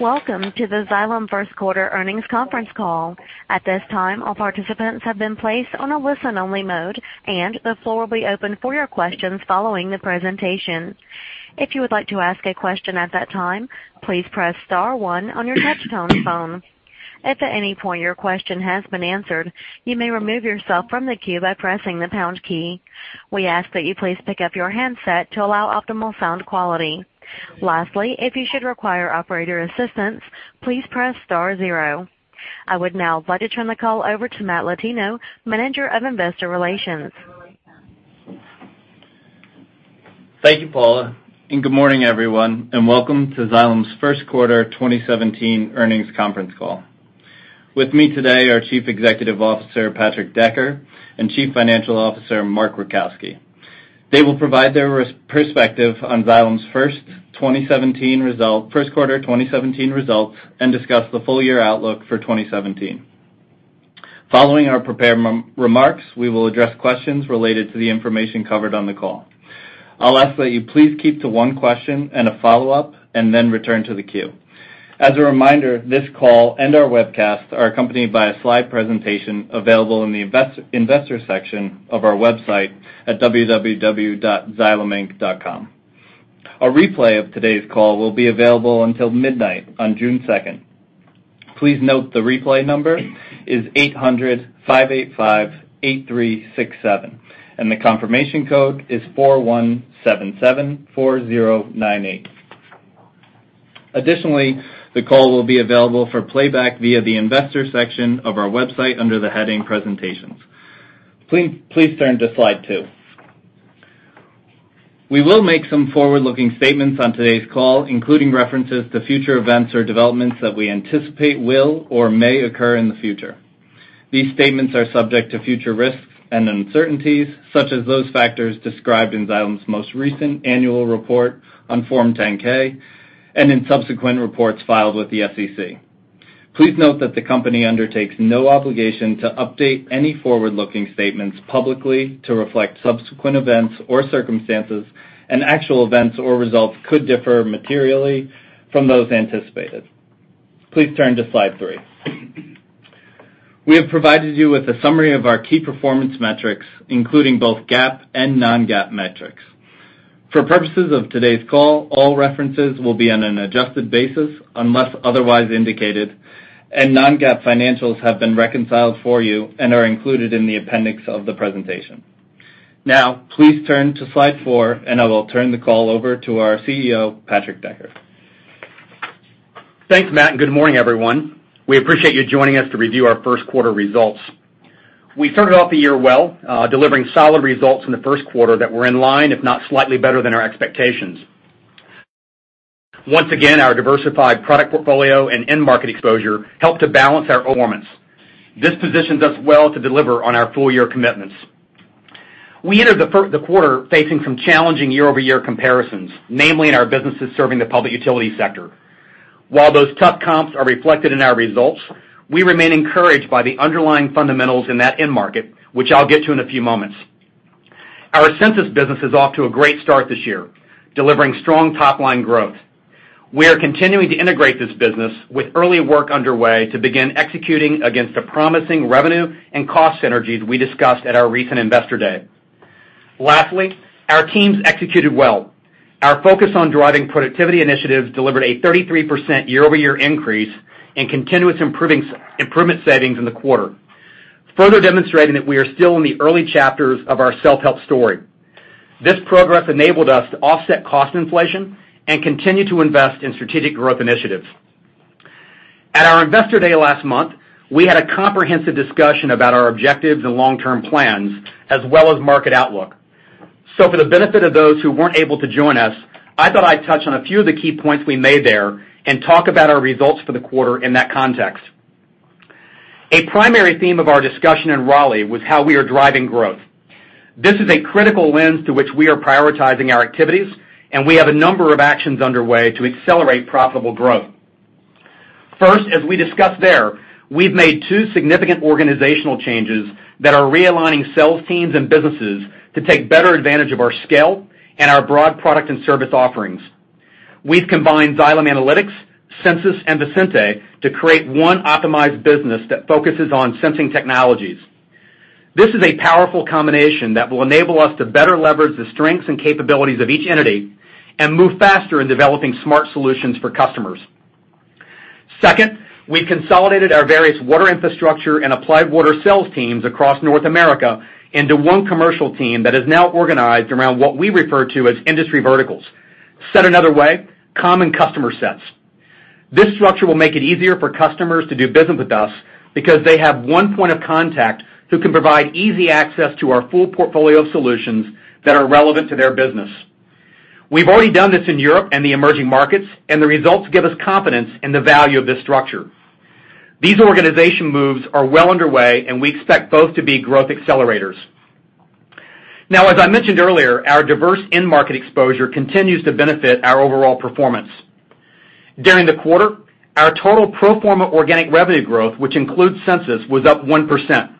Welcome to the Xylem first quarter earnings conference call. At this time, all participants have been placed on a listen-only mode, and the floor will be open for your questions following the presentation. If you would like to ask a question at that time, please press star one on your touch-tone phone. If at any point your question has been answered, you may remove yourself from the queue by pressing the pound key. We ask that you please pick up your handset to allow optimal sound quality. Lastly, if you should require operator assistance, please press star zero. I would now like to turn the call over to Matthew Latino, Manager of Investor Relations. Thank you, Paula, good morning, everyone, and welcome to Xylem's first quarter 2017 earnings conference call. With me today are Chief Executive Officer, Patrick Decker, and Chief Financial Officer, Mark Rajkowski. They will provide their perspective on Xylem's first quarter 2017 results and discuss the full-year outlook for 2017. Following our prepared remarks, we will address questions related to the information covered on the call. I'll ask that you please keep to one question and a follow-up and then return to the queue. As a reminder, this call and our webcast are accompanied by a slide presentation available in the investor section of our website at www.xylem.com. A replay of today's call will be available until midnight on June 2nd. Please note the replay number is 800-585-8367, the confirmation code is 41774098. Additionally, the call will be available for playback via the investor section of our website under the heading Presentations. Please turn to slide two. We will make some forward-looking statements on today's call, including references to future events or developments that we anticipate will or may occur in the future. These statements are subject to future risks and uncertainties, such as those factors described in Xylem's most recent annual report on Form 10-K and in subsequent reports filed with the SEC. Please note that the company undertakes no obligation to update any forward-looking statements publicly to reflect subsequent events or circumstances, actual events or results could differ materially from those anticipated. Please turn to slide three. We have provided you with a summary of our key performance metrics, including both GAAP and non-GAAP metrics. For purposes of today's call, all references will be on an adjusted basis unless otherwise indicated, non-GAAP financials have been reconciled for you and are included in the appendix of the presentation. Now, please turn to slide four, I will turn the call over to our CEO, Patrick Decker. Thanks, Matt, and good morning, everyone. We appreciate you joining us to review our first quarter results. We started off the year well, delivering solid results in the first quarter that were in line, if not slightly better than our expectations. Once again, our diversified product portfolio and end market exposure helped to balance our performance. This positions us well to deliver on our full-year commitments. We entered the quarter facing some challenging year-over-year comparisons, namely in our businesses serving the public utility sector. While those tough comps are reflected in our results, we remain encouraged by the underlying fundamentals in that end market, which I'll get to in a few moments. Our Sensus business is off to a great start this year, delivering strong top-line growth. We are continuing to integrate this business with early work underway to begin executing against the promising revenue and cost synergies we discussed at our recent Investor Day. Our teams executed well. Our focus on driving productivity initiatives delivered a 33% year-over-year increase in continuous improvement savings in the quarter, further demonstrating that we are still in the early chapters of our self-help story. This progress enabled us to offset cost inflation and continue to invest in strategic growth initiatives. At our Investor Day last month, we had a comprehensive discussion about our objectives and long-term plans as well as market outlook. For the benefit of those who weren't able to join us, I thought I'd touch on a few of the key points we made there and talk about our results for the quarter in that context. A primary theme of our discussion in Raleigh was how we are driving growth. This is a critical lens through which we are prioritizing our activities, and we have a number of actions underway to accelerate profitable growth. First, as we discussed there, we've made two significant organizational changes that are realigning sales teams and businesses to take better advantage of our scale and our broad product and service offerings. We've combined Xylem Analytics, Sensus, and Visenti to create one optimized business that focuses on sensing technologies. This is a powerful combination that will enable us to better leverage the strengths and capabilities of each entity and move faster in developing smart solutions for customers. Second, we've consolidated our various Water Infrastructure and Applied Water sales teams across North America into one commercial team that is now organized around what we refer to as industry verticals. Said another way, common customer sets. This structure will make it easier for customers to do business with us because they have one point of contact who can provide easy access to our full portfolio of solutions that are relevant to their business. We've already done this in Europe and the emerging markets, and the results give us confidence in the value of this structure. These organization moves are well underway, and we expect both to be growth accelerators. As I mentioned earlier, our diverse end market exposure continues to benefit our overall performance. During the quarter, our total pro forma organic revenue growth, which includes Sensus, was up 1%.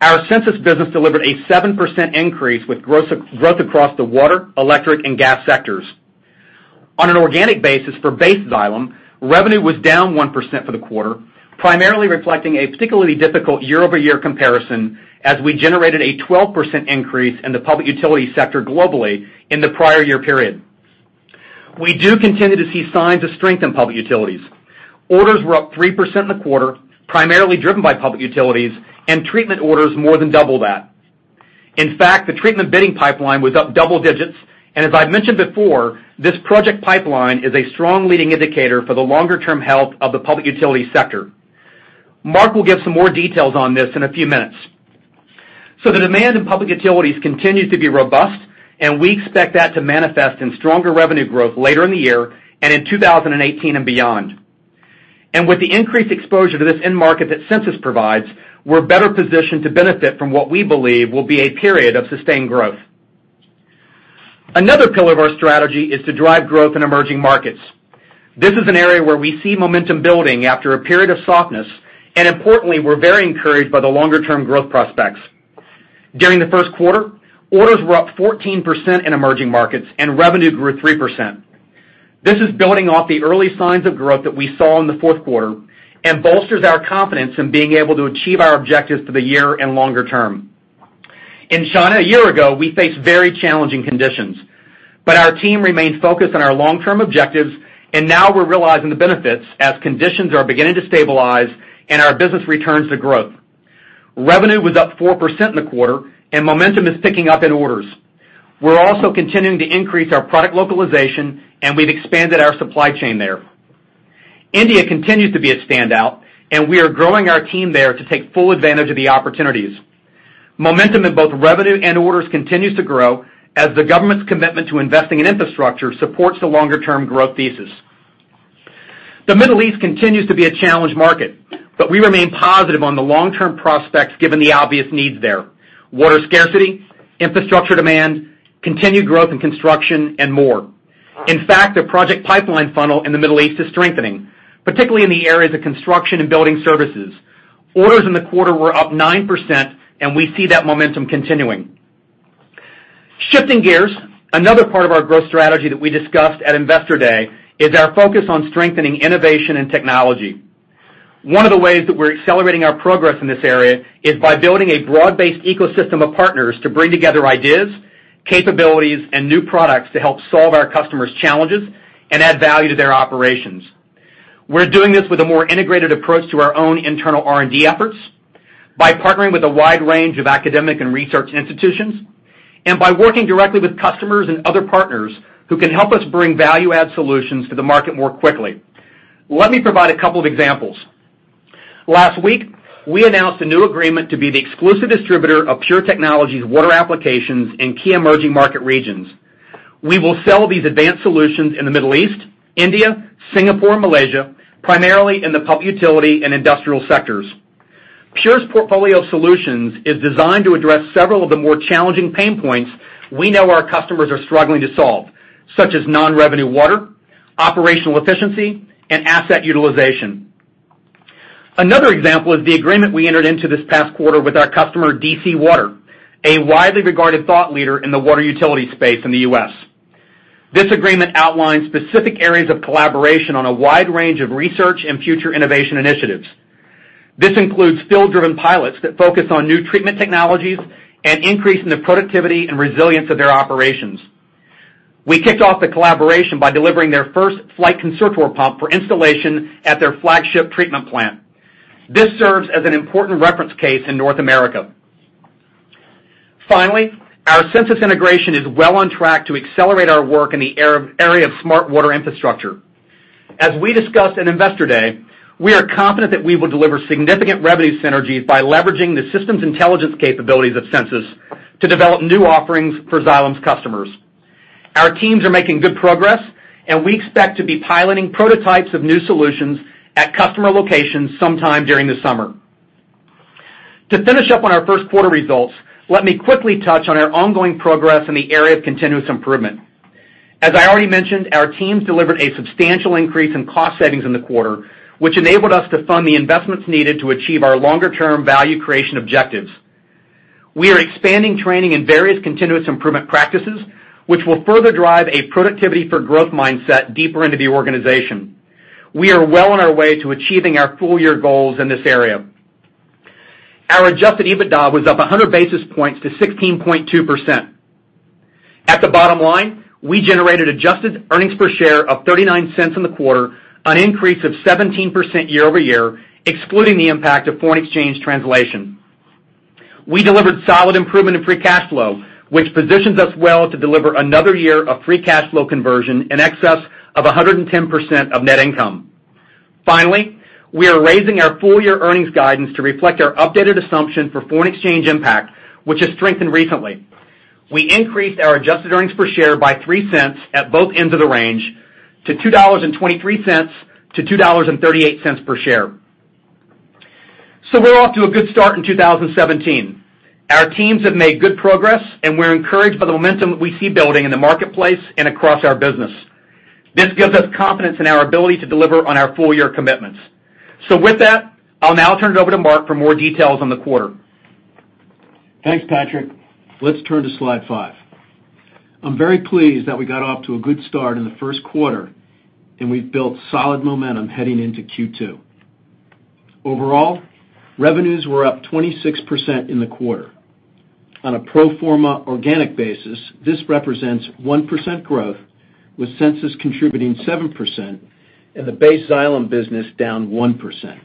Our Sensus business delivered a 7% increase with growth across the water, electric, and gas sectors. On an organic basis for base Xylem, revenue was down 1% for the quarter, primarily reflecting a particularly difficult year-over-year comparison as we generated a 12% increase in the public utility sector globally in the prior year period. We do continue to see signs of strength in public utilities. Orders were up 3% in the quarter, primarily driven by public utilities, and treatment orders more than double that. In fact, the treatment bidding pipeline was up double digits, and as I've mentioned before, this project pipeline is a strong leading indicator for the longer-term health of the public utility sector. Mark will give some more details on this in a few minutes. The demand in public utilities continues to be robust, and we expect that to manifest in stronger revenue growth later in the year and in 2018 and beyond. With the increased exposure to this end market that Sensus provides, we're better positioned to benefit from what we believe will be a period of sustained growth. Another pillar of our strategy is to drive growth in emerging markets. This is an area where we see momentum building after a period of softness, importantly, we're very encouraged by the longer-term growth prospects. During the first quarter, orders were up 14% in emerging markets and revenue grew 3%. This is building off the early signs of growth that we saw in the fourth quarter and bolsters our confidence in being able to achieve our objectives for the year and longer term. In China a year ago, we faced very challenging conditions, our team remained focused on our long-term objectives, and now we're realizing the benefits as conditions are beginning to stabilize and our business returns to growth. Revenue was up 4% in the quarter, momentum is picking up in orders. We're also continuing to increase our product localization, we've expanded our supply chain there. India continues to be a standout, we are growing our team there to take full advantage of the opportunities. Momentum in both revenue and orders continues to grow as the government's commitment to investing in infrastructure supports the longer-term growth thesis. The Middle East continues to be a challenged market, we remain positive on the long-term prospects given the obvious needs there. Water scarcity, infrastructure demand, continued growth in construction, and more. In fact, the project pipeline funnel in the Middle East is strengthening, particularly in the areas of construction and building services. Orders in the quarter were up 9%, we see that momentum continuing. Shifting gears, another part of our growth strategy that we discussed at Investor Day is our focus on strengthening innovation and technology. One of the ways that we're accelerating our progress in this area is by building a broad-based ecosystem of partners to bring together ideas, capabilities, and new products to help solve our customers' challenges and add value to their operations. We're doing this with a more integrated approach to our own internal R&D efforts by partnering with a wide range of academic and research institutions and by working directly with customers and other partners who can help us bring value-add solutions to the market more quickly. Let me provide a couple of examples. Last week, we announced a new agreement to be the exclusive distributor of Pure Technologies's water applications in key emerging market regions. We will sell these advanced solutions in the Middle East, India, Singapore, and Malaysia, primarily in the public utility and industrial sectors. Pure Technologies' portfolio of solutions is designed to address several of the more challenging pain points we know our customers are struggling to solve, such as non-revenue water, operational efficiency, and asset utilization. Another example is the agreement we entered into this past quarter with our customer, DC Water, a widely regarded thought leader in the water utility space in the U.S. This agreement outlines specific areas of collaboration on a wide range of research and future innovation initiatives. This includes field-driven pilots that focus on new treatment technologies and increasing the productivity and resilience of their operations. We kicked off the collaboration by delivering their first Flygt Concertor pump for installation at their flagship treatment plant. This serves as an important reference case in North America. Finally, our Sensus integration is well on track to accelerate our work in the area of smart water infrastructure. As we discussed in Investor Day, we are confident that we will deliver significant revenue synergies by leveraging the systems intelligence capabilities of Sensus to develop new offerings for Xylem's customers. Our teams are making good progress, and we expect to be piloting prototypes of new solutions at customer locations sometime during the summer. To finish up on our first quarter results, let me quickly touch on our ongoing progress in the area of continuous improvement. As I already mentioned, our teams delivered a substantial increase in cost savings in the quarter, which enabled us to fund the investments needed to achieve our longer-term value creation objectives. We are expanding training in various continuous improvement practices, which will further drive a productivity for growth mindset deeper into the organization. We are well on our way to achieving our full-year goals in this area. Our adjusted EBITDA was up 100 basis points to 16.2%. At the bottom line, we generated adjusted earnings per share of $0.39 in the quarter, an increase of 17% year-over-year, excluding the impact of foreign exchange translation. We delivered solid improvement in free cash flow, which positions us well to deliver another year of free cash flow conversion in excess of 110% of net income. Finally, we are raising our full-year earnings guidance to reflect our updated assumption for foreign exchange impact, which has strengthened recently. We increased our adjusted earnings per share by $0.03 at both ends of the range to $2.23-$2.38 per share. We're off to a good start in 2017. Our teams have made good progress, and we're encouraged by the momentum that we see building in the marketplace and across our business. This gives us confidence in our ability to deliver on our full-year commitments. With that, I'll now turn it over to Mark for more details on the quarter. Thanks, Patrick. Let's turn to slide five. I'm very pleased that we got off to a good start in the first quarter, and we've built solid momentum heading into Q2. Overall, revenues were up 26% in the quarter. On a pro forma organic basis, this represents 1% growth, with Sensus contributing 7% and the base Xylem business down 1%.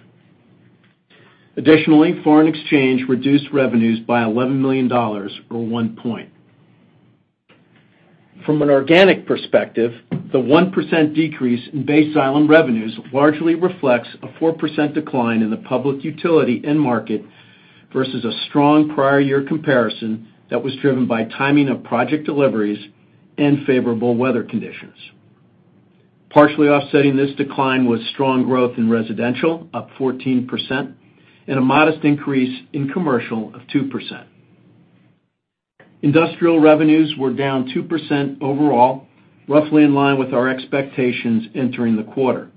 Additionally, foreign exchange reduced revenues by $11 million, or one point. From an organic perspective, the 1% decrease in base Xylem revenues largely reflects a 4% decline in the public utility end market, versus a strong prior year comparison that was driven by timing of project deliveries and favorable weather conditions. Partially offsetting this decline was strong growth in residential, up 14%, and a modest increase in commercial of 2%. Industrial revenues were down 2% overall, roughly in line with our expectations entering the quarter.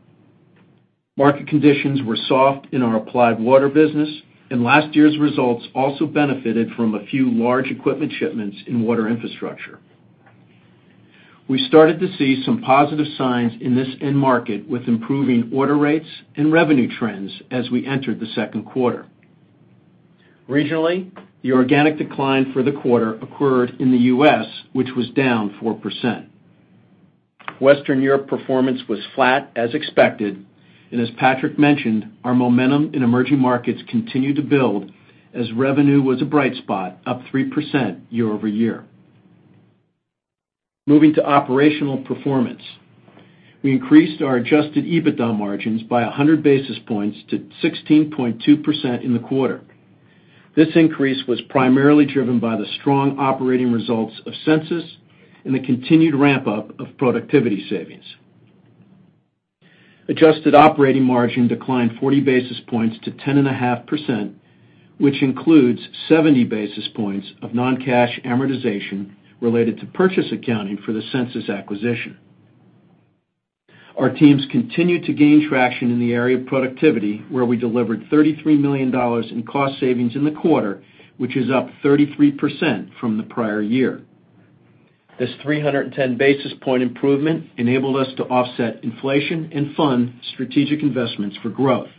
Market conditions were soft in our Applied Water business, and last year's results also benefited from a few large equipment shipments in Water Infrastructure. We started to see some positive signs in this end market with improving order rates and revenue trends as we entered the second quarter. Regionally, the organic decline for the quarter occurred in the U.S., which was down 4%. Western Europe performance was flat as expected, and as Patrick mentioned, our momentum in emerging markets continued to build as revenue was a bright spot, up 3% year-over-year. Moving to operational performance, we increased our adjusted EBITDA margins by 100 basis points to 16.2% in the quarter. This increase was primarily driven by the strong operating results of Sensus and the continued ramp-up of productivity savings. Adjusted operating margin declined 40 basis points to 10.5%, which includes 70 basis points of non-cash amortization related to purchase accounting for the Sensus acquisition. Our teams continued to gain traction in the area of productivity, where we delivered $33 million in cost savings in the quarter, which is up 33% from the prior year. This 310 basis point improvement enabled us to offset inflation and fund strategic investments for growth.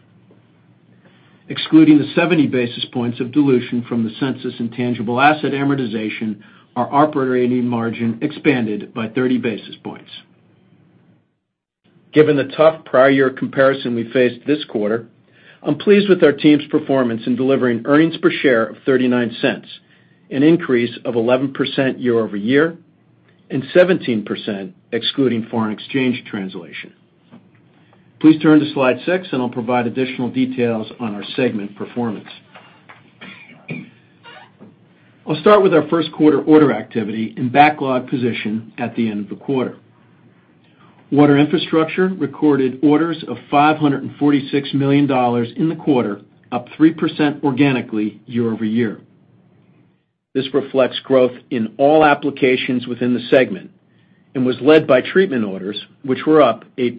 Excluding the 70 basis points of dilution from the Sensus intangible asset amortization, our operating margin expanded by 30 basis points. Given the tough prior year comparison we faced this quarter, I'm pleased with our team's performance in delivering earnings per share of $0.39, an increase of 11% year-over-year and 17% excluding foreign exchange translation. Please turn to slide six, I'll provide additional details on our segment performance. I'll start with our first quarter order activity and backlog position at the end of the quarter. Water Infrastructure recorded orders of $546 million in the quarter, up 3% organically year-over-year. This reflects growth in all applications within the segment and was led by treatment orders, which were up 8%.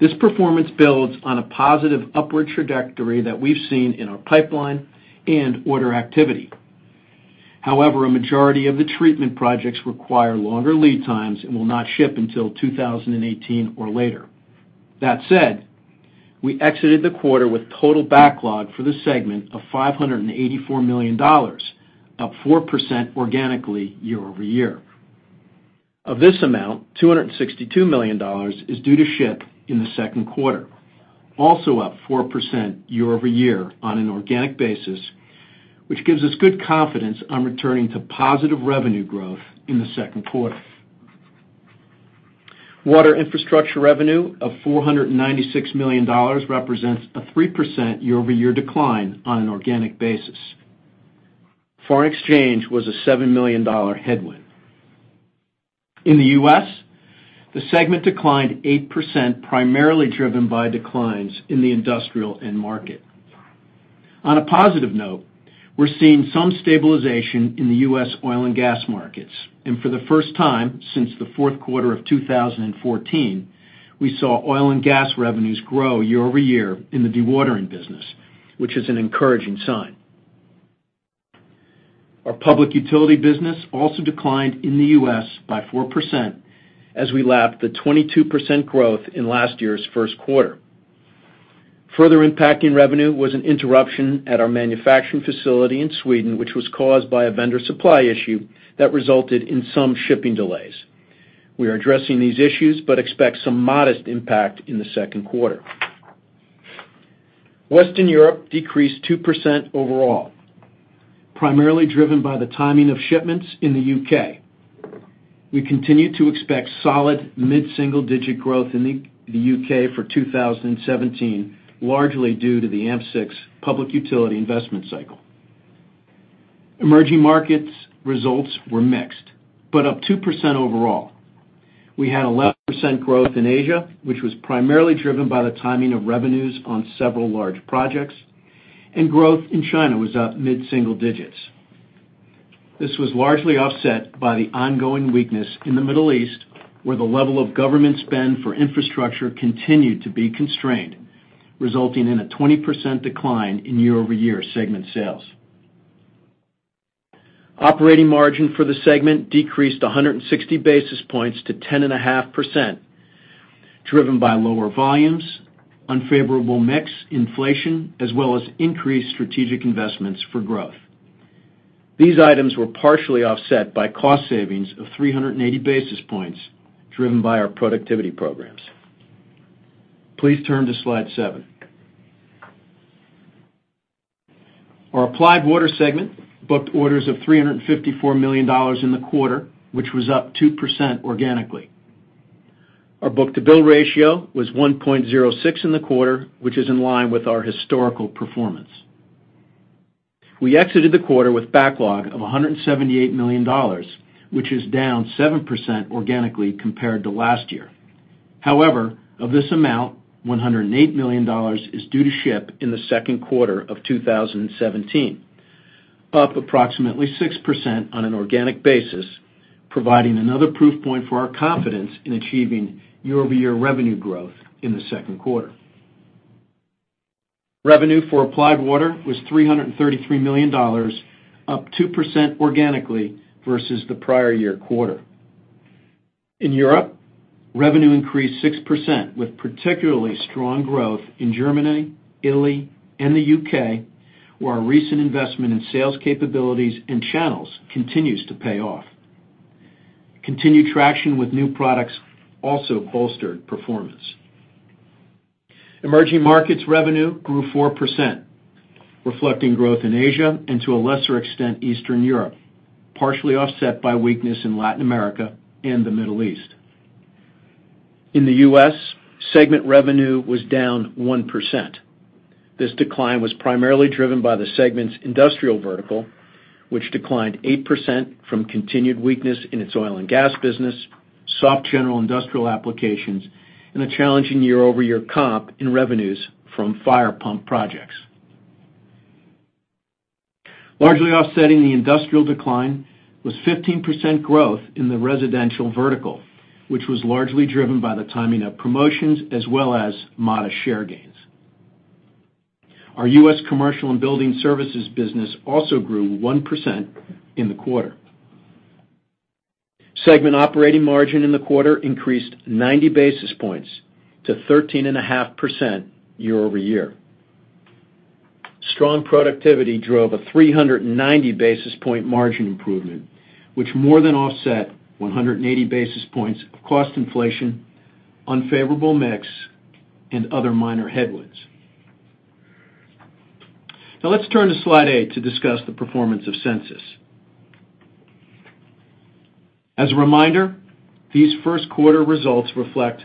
This performance builds on a positive upward trajectory that we've seen in our pipeline and order activity. However, a majority of the treatment projects require longer lead times and will not ship until 2018 or later. That said, we exited the quarter with total backlog for the segment of $584 million, up 4% organically year-over-year. Of this amount, $262 million is due to ship in the second quarter, also up 4% year-over-year on an organic basis, which gives us good confidence on returning to positive revenue growth in the second quarter. Water Infrastructure revenue of $496 million represents a 3% year-over-year decline on an organic basis. Foreign exchange was a $7 million headwind. In the U.S., the segment declined 8%, primarily driven by declines in the industrial end market. On a positive note, we're seeing some stabilization in the U.S. oil and gas markets, and for the first time since the fourth quarter of 2014, we saw oil and gas revenues grow year-over-year in the dewatering business, which is an encouraging sign. Our public utility business also declined in the U.S. by 4% as we lapped the 22% growth in last year's first quarter. Further impacting revenue was an interruption at our manufacturing facility in Sweden, which was caused by a vendor supply issue that resulted in some shipping delays. We are addressing these issues but expect some modest impact in the second quarter. Western Europe decreased 2% overall, primarily driven by the timing of shipments in the U.K. We continue to expect solid mid-single-digit growth in the U.K. for 2017, largely due to the AMP6 public utility investment cycle. Emerging markets results were mixed, but up 2% overall. We had 11% growth in Asia, which was primarily driven by the timing of revenues on several large projects. Growth in China was up mid-single digits. This was largely offset by the ongoing weakness in the Middle East, where the level of government spend for infrastructure continued to be constrained, resulting in a 20% decline in year-over-year segment sales. Operating margin for the segment decreased 160 basis points to 10.5%, driven by lower volumes, unfavorable mix inflation, as well as increased strategic investments for growth. These items were partially offset by cost savings of 380 basis points, driven by our productivity programs. Please turn to Slide 7. Our Applied Water segment booked orders of $354 million in the quarter, which was up 2% organically. Our book-to-bill ratio was 1.06 in the quarter, which is in line with our historical performance. We exited the quarter with backlog of $178 million, which is down 7% organically compared to last year. However, of this amount, $108 million is due to ship in the second quarter of 2017, up approximately 6% on an organic basis, providing another proof point for our confidence in achieving year-over-year revenue growth in the second quarter. Revenue for Applied Water was $333 million, up 2% organically versus the prior year quarter. In Europe, revenue increased 6%, with particularly strong growth in Germany, Italy, and the U.K., where our recent investment in sales capabilities and channels continues to pay off. Continued traction with new products also bolstered performance. Emerging markets revenue grew 4%, reflecting growth in Asia and, to a lesser extent, Eastern Europe, partially offset by weakness in Latin America and the Middle East. In the U.S., segment revenue was down 1%. This decline was primarily driven by the segment's industrial vertical, which declined 8% from continued weakness in its oil and gas business, soft general industrial applications, and a challenging year-over-year comp in revenues from fire pump projects. Largely offsetting the industrial decline was 15% growth in the residential vertical, which was largely driven by the timing of promotions as well as modest share gains. Our U.S. commercial and building services business also grew 1% in the quarter. Segment operating margin in the quarter increased 90 basis points to 13.5% year-over-year. Strong productivity drove a 390 basis point margin improvement, which more than offset 180 basis points of cost inflation, unfavorable mix, and other minor headwinds. Now let's turn to Slide 8 to discuss the performance of Sensus. As a reminder, these first quarter results reflect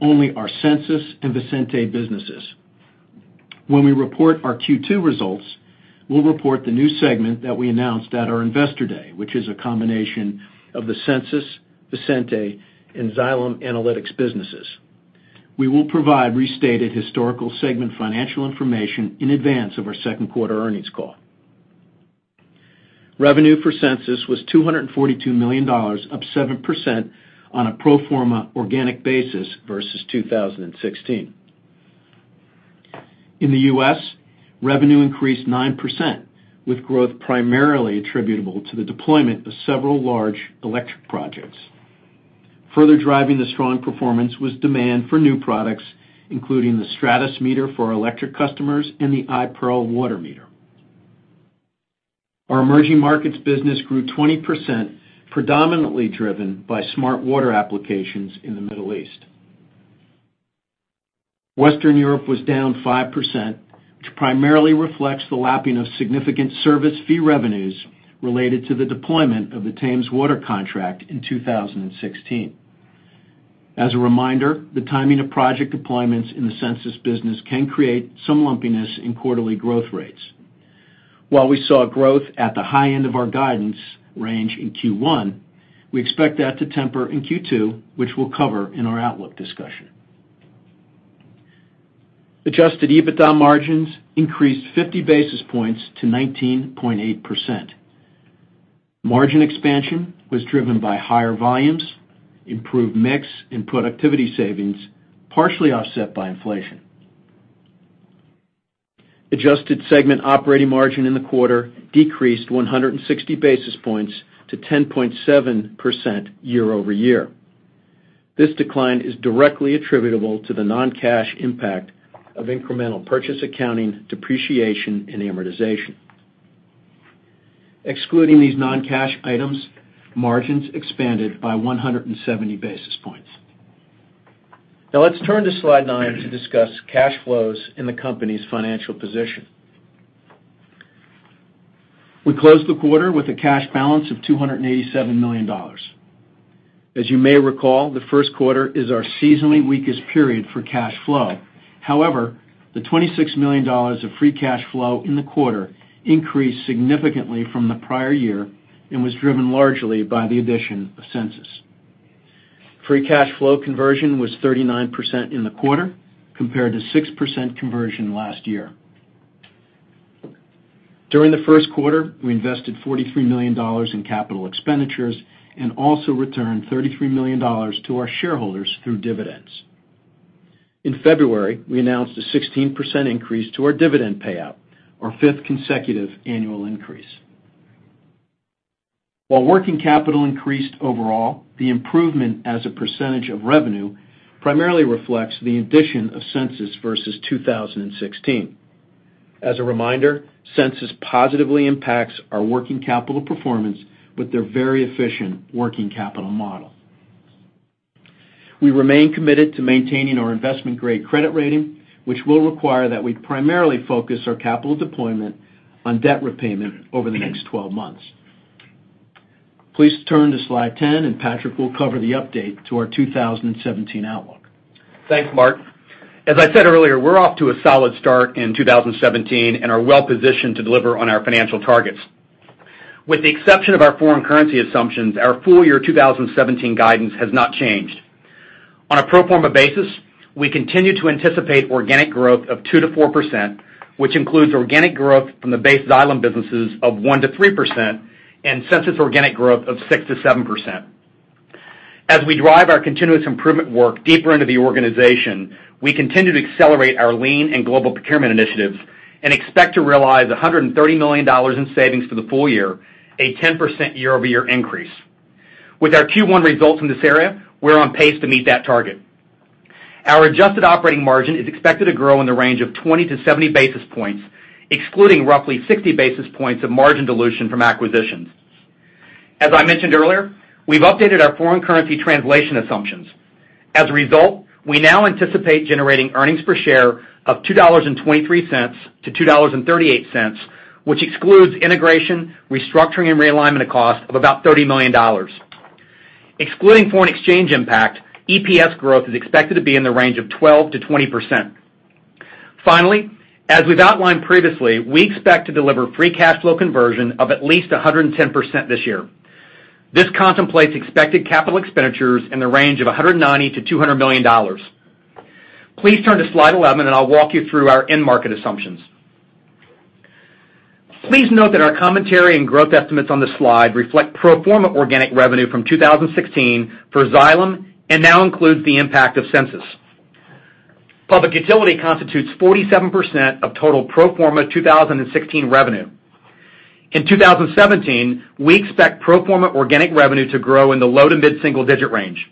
only our Sensus and Visenti businesses. When we report our Q2 results, we'll report the new segment that we announced at our Investor Day, which is a combination of the Sensus, Visenti, and Xylem Analytics businesses. We will provide restated historical segment financial information in advance of our second quarter earnings call. Revenue for Sensus was $242 million, up 7% on a pro forma organic basis versus 2016. In the U.S., revenue increased 9%, with growth primarily attributable to the deployment of several large electric projects. Further driving the strong performance was demand for new products, including the Stratus meter for our electric customers and the iPERL water meter. Our emerging markets business grew 20%, predominantly driven by smart water applications in the Middle East. Western Europe was down 5%, which primarily reflects the lapping of significant service fee revenues related to the deployment of the Thames Water contract in 2016. As a reminder, the timing of project deployments in the Sensus business can create some lumpiness in quarterly growth rates. While we saw growth at the high end of our guidance range in Q1, we expect that to temper in Q2, which we'll cover in our outlook discussion. Adjusted EBITDA margins increased 50 basis points to 19.8%. Margin expansion was driven by higher volumes, improved mix, and productivity savings, partially offset by inflation. Adjusted segment operating margin in the quarter decreased 160 basis points to 10.7% year-over-year. This decline is directly attributable to the non-cash impact of incremental purchase accounting, depreciation, and amortization. Excluding these non-cash items, margins expanded by 170 basis points. Now let's turn to Slide 9 to discuss cash flows and the company's financial position. We closed the quarter with a cash balance of $287 million. As you may recall, the first quarter is our seasonally weakest period for cash flow. However, the $26 million of free cash flow in the quarter increased significantly from the prior year and was driven largely by the addition of Sensus. Free cash flow conversion was 39% in the quarter, compared to 6% conversion last year. During the first quarter, we invested $43 million in capital expenditures and also returned $33 million to our shareholders through dividends. In February, we announced a 16% increase to our dividend payout, our fifth consecutive annual increase. While working capital increased overall, the improvement as a percentage of revenue primarily reflects the addition of Sensus versus 2016. As a reminder, Sensus positively impacts our working capital performance with their very efficient working capital model. We remain committed to maintaining our investment-grade credit rating, which will require that we primarily focus our capital deployment on debt repayment over the next 12 months. Please turn to Slide 10, Patrick will cover the update to our 2017 outlook. Thanks, Mark. As I said earlier, we're off to a solid start in 2017 and are well-positioned to deliver on our financial targets. With the exception of our foreign currency assumptions, our full-year 2017 guidance has not changed. On a pro forma basis, we continue to anticipate organic growth of 2%-4%, which includes organic growth from the base Xylem businesses of 1%-3% and Sensus organic growth of 6%-7%. As we drive our continuous improvement work deeper into the organization, we continue to accelerate our lean and global procurement initiatives and expect to realize $130 million in savings for the full year, a 10% year-over-year increase. With our Q1 results in this area, we're on pace to meet that target. Our adjusted operating margin is expected to grow in the range of 20 to 70 basis points, excluding roughly 60 basis points of margin dilution from acquisitions. As I mentioned earlier, we've updated our foreign currency translation assumptions. As a result, we now anticipate generating earnings per share of $2.23 to $2.38, which excludes integration, restructuring, and realignment of cost of about $30 million. Excluding foreign exchange impact, EPS growth is expected to be in the range of 12%-20%. Finally, as we've outlined previously, we expect to deliver free cash flow conversion of at least 110% this year. This contemplates expected capital expenditures in the range of $190 million-$200 million. Please turn to slide 11 and I'll walk you through our end market assumptions. Please note that our commentary and growth estimates on this slide reflect pro forma organic revenue from 2016 for Xylem and now includes the impact of Sensus. Public utility constitutes 47% of total pro forma 2016 revenue. In 2017, we expect pro forma organic revenue to grow in the low to mid-single digit range.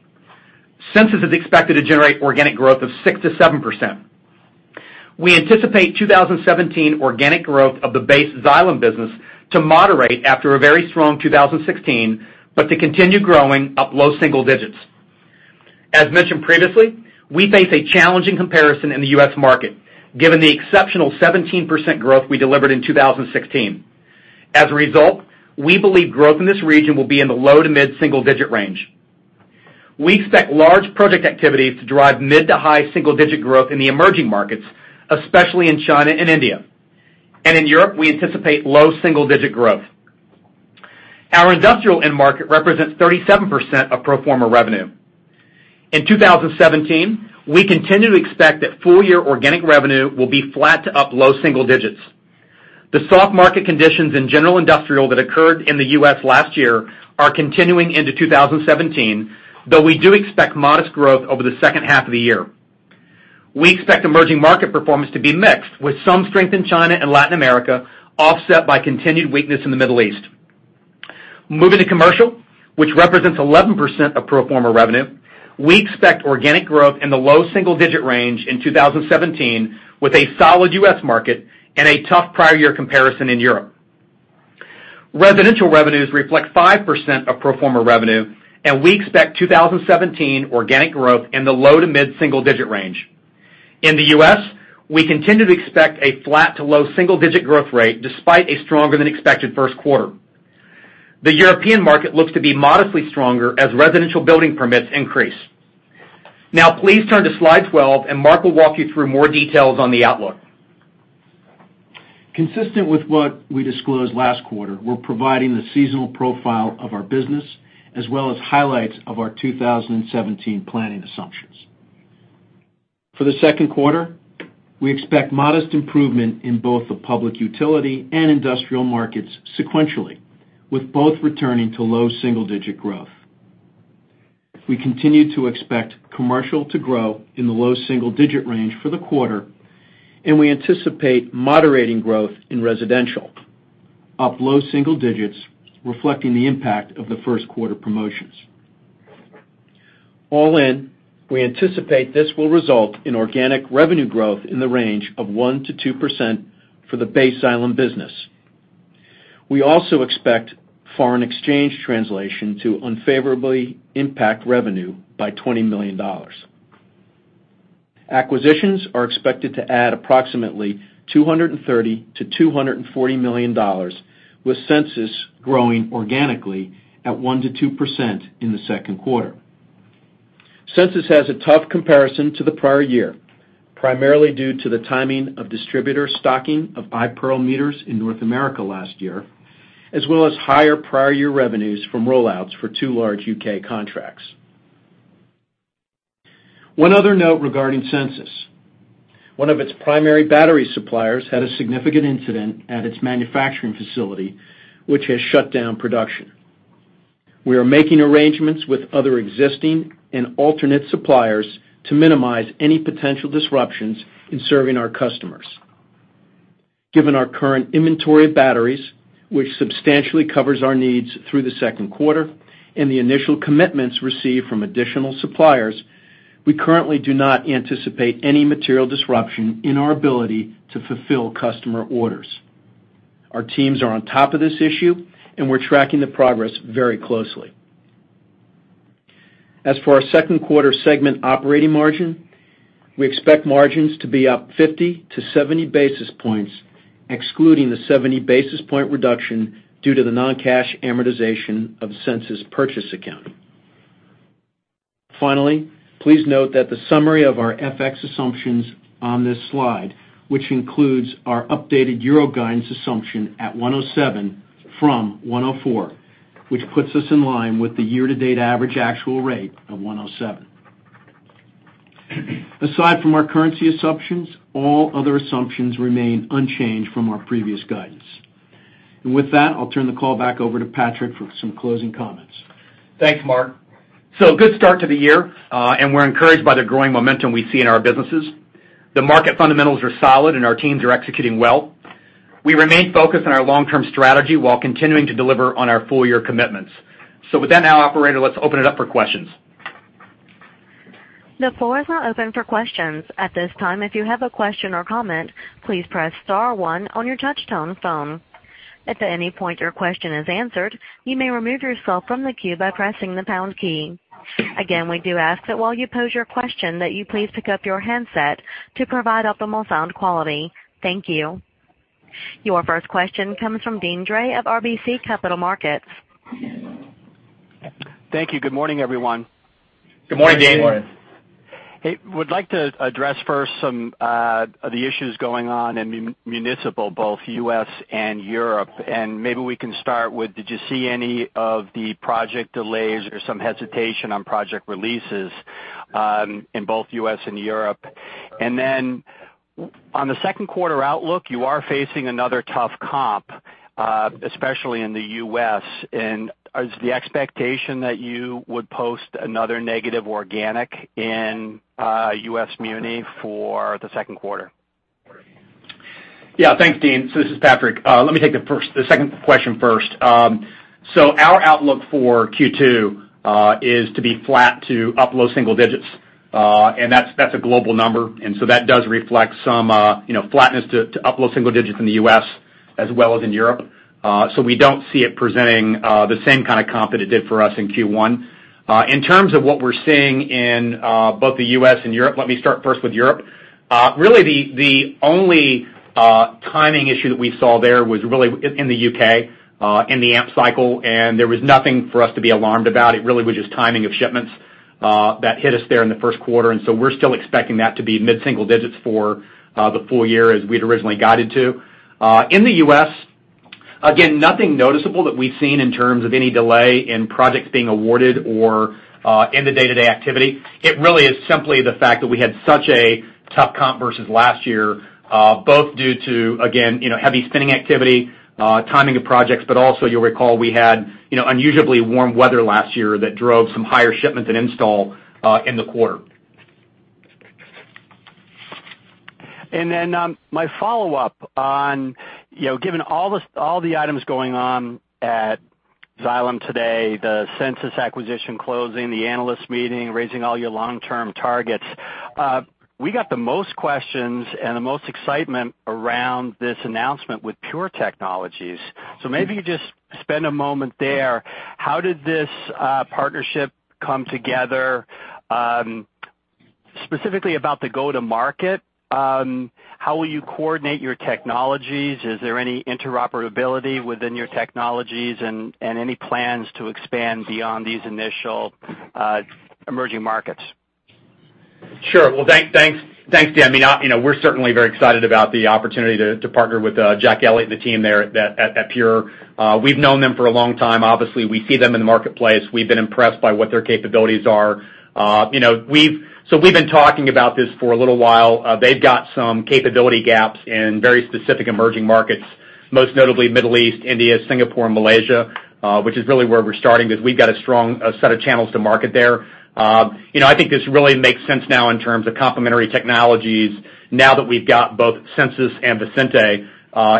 Sensus is expected to generate organic growth of 6%-7%. We anticipate 2017 organic growth of the base Xylem business to moderate after a very strong 2016, but to continue growing up low single digits. As mentioned previously, we face a challenging comparison in the U.S. market, given the exceptional 17% growth we delivered in 2016. As a result, we believe growth in this region will be in the low to mid-single digit range. We expect large project activities to drive mid to high single-digit growth in the emerging markets, especially in China and India. In Europe, we anticipate low double-digit growth. Our industrial end market represents 37% of pro forma revenue. In 2017, we continue to expect that full-year organic revenue will be flat to up low single digits. The soft market conditions in general industrial that occurred in the U.S. last year are continuing into 2017, though we do expect modest growth over the second half of the year. We expect emerging market performance to be mixed, with some strength in China and Latin America offset by continued weakness in the Middle East. Moving to commercial, which represents 11% of pro forma revenue, we expect organic growth in the low single-digit range in 2017 with a solid U.S. market and a tough prior year comparison in Europe. Residential revenues reflect 5% of pro forma revenue, and we expect 2017 organic growth in the low to mid-single digit range. In the U.S., we continue to expect a flat to low single-digit growth rate despite a stronger-than-expected first quarter. The European market looks to be modestly stronger as residential building permits increase. Now please turn to slide 12, and Mark will walk you through more details on the outlook. Consistent with what we disclosed last quarter, we're providing the seasonal profile of our business as well as highlights of our 2017 planning assumptions. For the second quarter, we expect modest improvement in both the public utility and industrial markets sequentially, with both returning to low single-digit growth. We continue to expect commercial to grow in the low single-digit range for the quarter, and we anticipate moderating growth in residential, up low single digits, reflecting the impact of the first quarter promotions. All in, we anticipate this will result in organic revenue growth in the range of 1%-2% for the base Xylem business. We also expect foreign exchange translation to unfavorably impact revenue by $20 million. Acquisitions are expected to add approximately $230 million-$240 million, with Sensus growing organically at 1%-2% in the second quarter. Sensus has a tough comparison to the prior year primarily due to the timing of distributor stocking of iPERL meters in North America last year, as well as higher prior year revenues from rollouts for two large U.K. contracts. One other note regarding Sensus. One of its primary battery suppliers had a significant incident at its manufacturing facility, which has shut down production. We are making arrangements with other existing and alternate suppliers to minimize any potential disruptions in serving our customers. Given our current inventory of batteries, which substantially covers our needs through the second quarter, and the initial commitments received from additional suppliers, we currently do not anticipate any material disruption in our ability to fulfill customer orders. Our teams are on top of this issue, and we're tracking the progress very closely. As for our second quarter segment operating margin, we expect margins to be up 50-70 basis points, excluding the 70 basis point reduction due to the non-cash amortization of Sensus purchase accounting. Finally, please note that the summary of our FX assumptions on this slide, which includes our updated EUR guidance assumption at 107 from 104, which puts us in line with the year-to-date average actual rate of 107. Aside from our currency assumptions, all other assumptions remain unchanged from our previous guidance. With that, I'll turn the call back over to Patrick for some closing comments. Thanks, Mark. A good start to the year, and we're encouraged by the growing momentum we see in our businesses. The market fundamentals are solid, and our teams are executing well. We remain focused on our long-term strategy while continuing to deliver on our full-year commitments. With that now, operator, let's open it up for questions. The floor is now open for questions. At this time, if you have a question or comment, please press star one on your touch-tone phone. If at any point your question is answered, you may remove yourself from the queue by pressing the pound key. Again, we do ask that while you pose your question, that you please pick up your handset to provide optimal sound quality. Thank you. Your first question comes from Deane Dray of RBC Capital Markets. Thank you. Good morning, everyone. Good morning, Deane. Good morning. Hey. Would like to address first some of the issues going on in municipal, both U.S. and Europe. Maybe we can start with, did you see any of the project delays or some hesitation on project releases in both U.S. and Europe? Then on the second quarter outlook, you are facing another tough comp, especially in the U.S. Is the expectation that you would post another negative organic in U.S. muni for the second quarter? Thanks, Deane. This is Patrick. Let me take the second question first. Our outlook for Q2 is to be flat to up low single digits. That's a global number. That does reflect some flatness to up low single digits in the U.S. as well as in Europe. We don't see it presenting the same kind of comp that it did for us in Q1. In terms of what we're seeing in both the U.S. and Europe, let me start first with Europe. Really the only timing issue that we saw there was really in the U.K., in the AMP cycle. There was nothing for us to be alarmed about. It really was just timing of shipments that hit us there in the first quarter. We're still expecting that to be mid-single digits for the full year as we'd originally guided to. In the U.S., again, nothing noticeable that we've seen in terms of any delay in projects being awarded or in the day-to-day activity. It really is simply the fact that we had such a tough comp versus last year, both due to, again, heavy spending activity, timing of projects, but also you'll recall we had unusually warm weather last year that drove some higher shipments and install in the quarter. My follow-up on given all the items going on at Xylem today, the Sensus acquisition closing, the analyst meeting, raising all your long-term targets. We got the most questions and the most excitement around this announcement with Pure Technologies. Maybe you just spend a moment there. How did this partnership come together? Specifically about the go to market, how will you coordinate your technologies? Is there any interoperability within your technologies and any plans to expand beyond these initial emerging markets? Sure. Well, thanks, Deane. We're certainly very excited about the opportunity to partner with Jack Elliott and the team there at Pure. We've known them for a long time. Obviously, we see them in the marketplace. We've been impressed by what their capabilities are. We've been talking about this for a little while. They've got some capability gaps in very specific emerging markets, most notably Middle East, India, Singapore, and Malaysia, which is really where we're starting because we've got a strong set of channels to market there. I think this really makes sense now in terms of complementary technologies now that we've got both Sensus and Visenti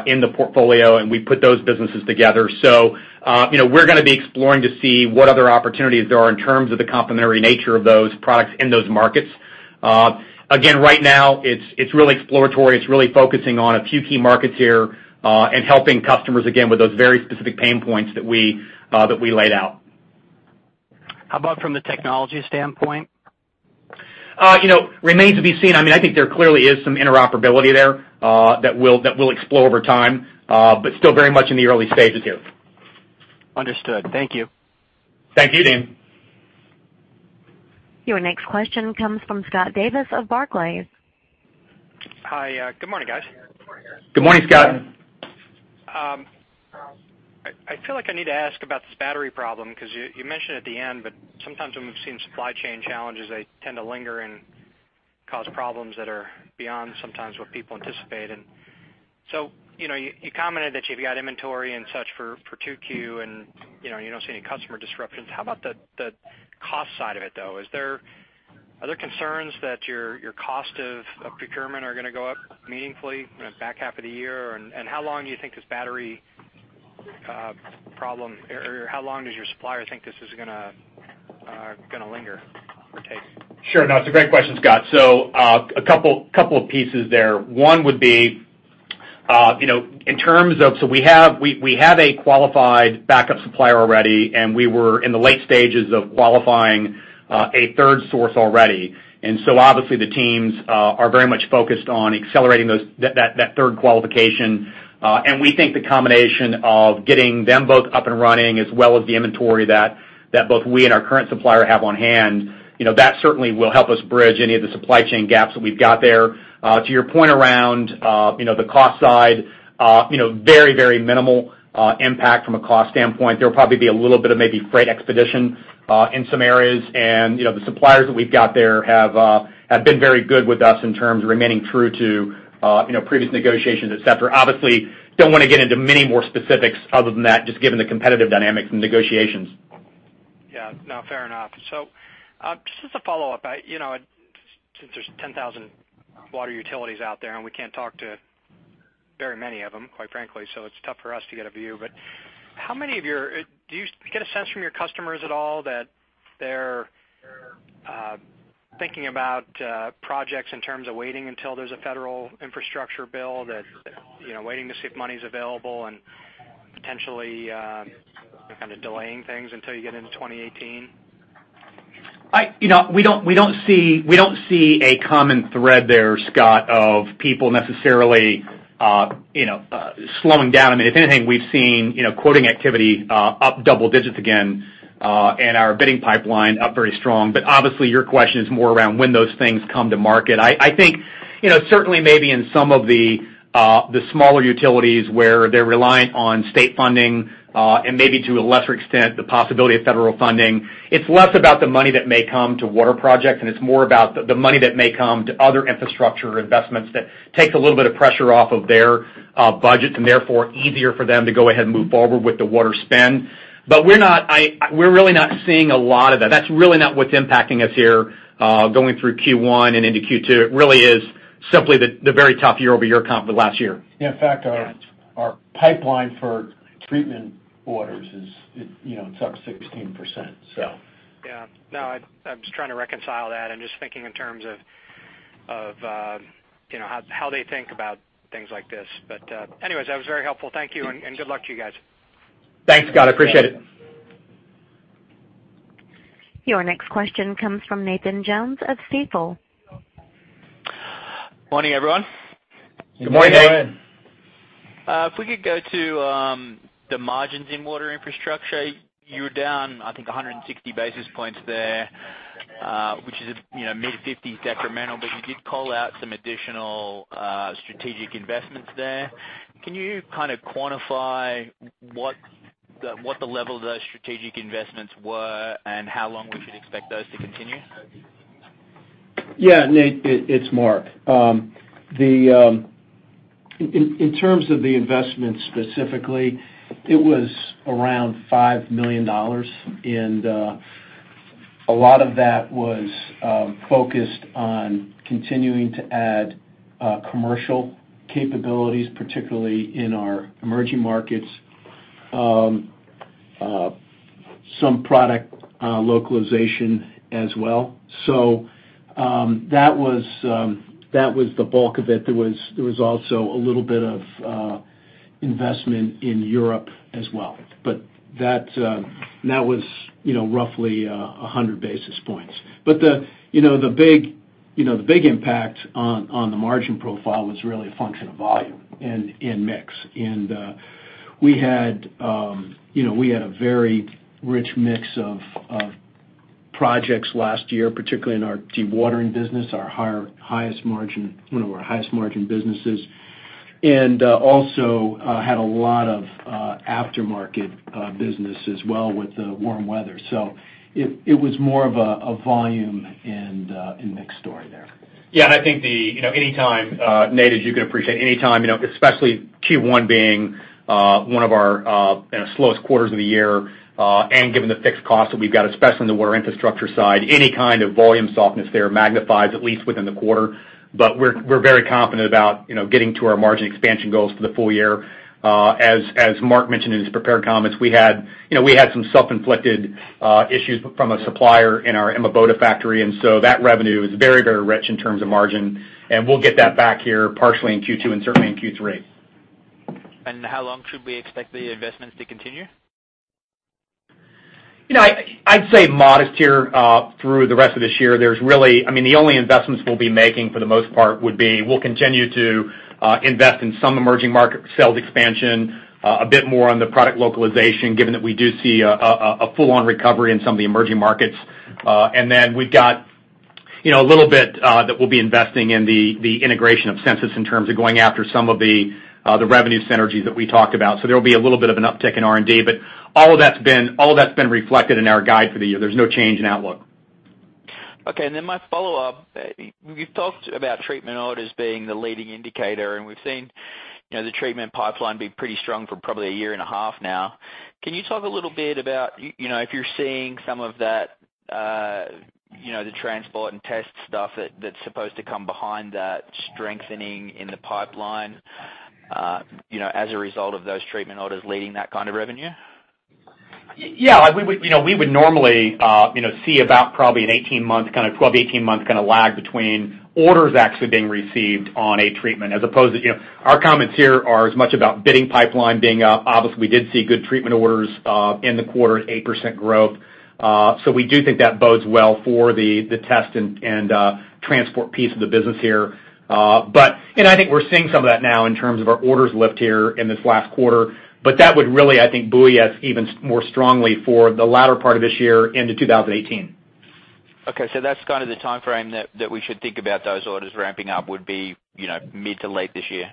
in the portfolio, and we put those businesses together. We're going to be exploring to see what other opportunities there are in terms of the complementary nature of those products in those markets. Again, right now it's really exploratory. It's really focusing on a few key markets here, and helping customers again with those very specific pain points that we laid out. How about from the technology standpoint? Remains to be seen. I think there clearly is some interoperability there that we'll explore over time, but still very much in the early stages here. Understood. Thank you. Thank you, Deane. Your next question comes from Scott Davis of Barclays. Hi. Good morning, guys. Good morning, Scott. I feel like I need to ask about this battery problem, because you mentioned at the end, but sometimes when we've seen supply chain challenges, they tend to linger and cause problems that are beyond sometimes what people anticipate. You commented that you've got inventory and such for 2Q, and you don't see any customer disruptions. How about the cost side of it, though? Are there concerns that your cost of procurement are going to go up meaningfully in the back half of the year? How long do you think this battery problem, or how long does your supplier think this is going to linger or take? Sure. No, it's a great question, Scott. A couple of pieces there. One would be, so we have a qualified backup supplier already, and we were in the late stages of qualifying a third source already. Obviously the teams are very much focused on accelerating that third qualification. We think the combination of getting them both up and running, as well as the inventory that both we and our current supplier have on hand, that certainly will help us bridge any of the supply chain gaps that we've got there. To your point around the cost side, very minimal impact from a cost standpoint. There'll probably be a little bit of maybe freight expedition in some areas. The suppliers that we've got there have been very good with us in terms of remaining true to previous negotiations, et cetera. Obviously, don't want to get into many more specifics other than that, just given the competitive dynamics and negotiations. Yeah. No, fair enough. Just as a follow-up, since there's 10,000 water utilities out there, and we can't talk to very many of them, quite frankly, it's tough for us to get a view. Do you get a sense from your customers at all that they're thinking about projects in terms of waiting until there's a federal infrastructure bill, that waiting to see if money's available and potentially kind of delaying things until you get into 2018? We don't see a common thread there, Scott, of people necessarily slowing down. If anything, we've seen quoting activity up double digits again and our bidding pipeline up very strong. Obviously your question is more around when those things come to market. I think certainly maybe in some of the smaller utilities where they're reliant on state funding and maybe to a lesser extent the possibility of federal funding, it's less about the money that may come to water projects, and it's more about the money that may come to other infrastructure investments that takes a little bit of pressure off of their budgets and therefore easier for them to go ahead and move forward with the water spend. We're really not seeing a lot of that. That's really not what's impacting us here going through Q1 and into Q2. It really is simply the very tough year-over-year comp of last year. Yeah. In fact, our pipeline for treatment orders is up 16%. Yeah. No, I'm just trying to reconcile that and just thinking in terms of how they think about things like this. Anyways, that was very helpful. Thank you, and good luck to you guys. Thanks, Scott. I appreciate it. Your next question comes from Nathan Jones of Stifel. Morning, everyone. Good morning. Good morning. If we could go to the margins in Water Infrastructure. You were down, I think, 160 basis points there, which is mid 50s detrimental, but you did call out some additional strategic investments there. Can you kind of quantify what the level of those strategic investments were and how long we should expect those to continue? Yeah. Nate, it's Mark. In terms of the investment specifically, it was around $5 million, and a lot of that was focused on continuing to add commercial capabilities, particularly in our emerging markets. Some product localization as well. That was the bulk of it. There was also a little bit of investment in Europe as well, but that was roughly 100 basis points. The big impact on the margin profile was really a function of volume and mix. We had a very rich mix of projects last year, particularly in our dewatering business, one of our highest margin businesses, and also had a lot of aftermarket business as well with the warm weather. It was more of a volume and mix story there. Yeah. Nate, as you can appreciate, any time, especially Q1 being one of our slowest quarters of the year, and given the fixed costs that we've got, especially on the Water Infrastructure side, any kind of volume softness there magnifies at least within the quarter. We're very confident about getting to our margin expansion goals for the full year. As Mark mentioned in his prepared comments, we had some self-inflicted issues from a supplier in our Emmaboda factory, that revenue is very rich in terms of margin, and we'll get that back here partially in Q2 and certainly in Q3. How long should we expect the investments to continue? I'd say modest here through the rest of this year. The only investments we'll be making for the most part would be, we'll continue to invest in some emerging market sales expansion, a bit more on the product localization, given that we do see a full-on recovery in some of the emerging markets. We've got a little bit that we'll be investing in the integration of Sensus in terms of going after some of the revenue synergies that we talked about. There'll be a little bit of an uptick in R&D, all of that's been reflected in our guide for the year. There's no change in outlook. Okay, my follow-up. You've talked about treatment orders being the leading indicator. We've seen the treatment pipeline be pretty strong for probably a year and a half now. Can you talk a little bit about if you're seeing some of the transport and test stuff that's supposed to come behind that strengthening in the pipeline as a result of those treatment orders leading that kind of revenue? Yeah. We would normally see about probably an 18-month, kind of 12-18 months kind of lag between orders actually being received on a treatment. Our comments here are as much about bidding pipeline being up. Obviously, we did see good treatment orders in the quarter at 8% growth. We do think that bodes well for the test and transport piece of the business here. I think we're seeing some of that now in terms of our orders lift here in this last quarter. That would really, I think, buoy us even more strongly for the latter part of this year into 2018. Okay, that's kind of the timeframe that we should think about those orders ramping up would be mid to late this year?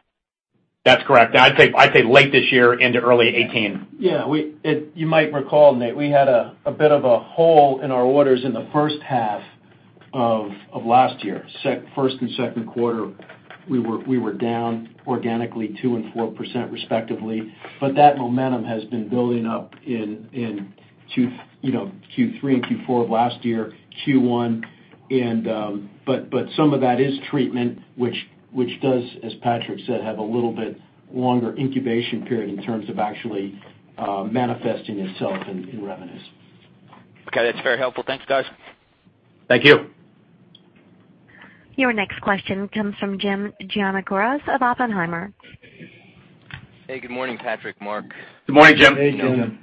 That's correct. I'd say late this year into early 2018. You might recall, Nate, we had a bit of a hole in our orders in the first half of last year. First and second quarter, we were down organically 2% and 4% respectively, that momentum has been building up in Q3 and Q4 of last year, Q1. Some of that is treatment, which does, as Patrick said, have a little bit longer incubation period in terms of actually manifesting itself in revenues. That's very helpful. Thanks, guys. Thank you. Your next question comes from Jim Giannakouros of Oppenheimer. Hey, good morning, Patrick, Mark. Good morning, Jim. Hey, Jim.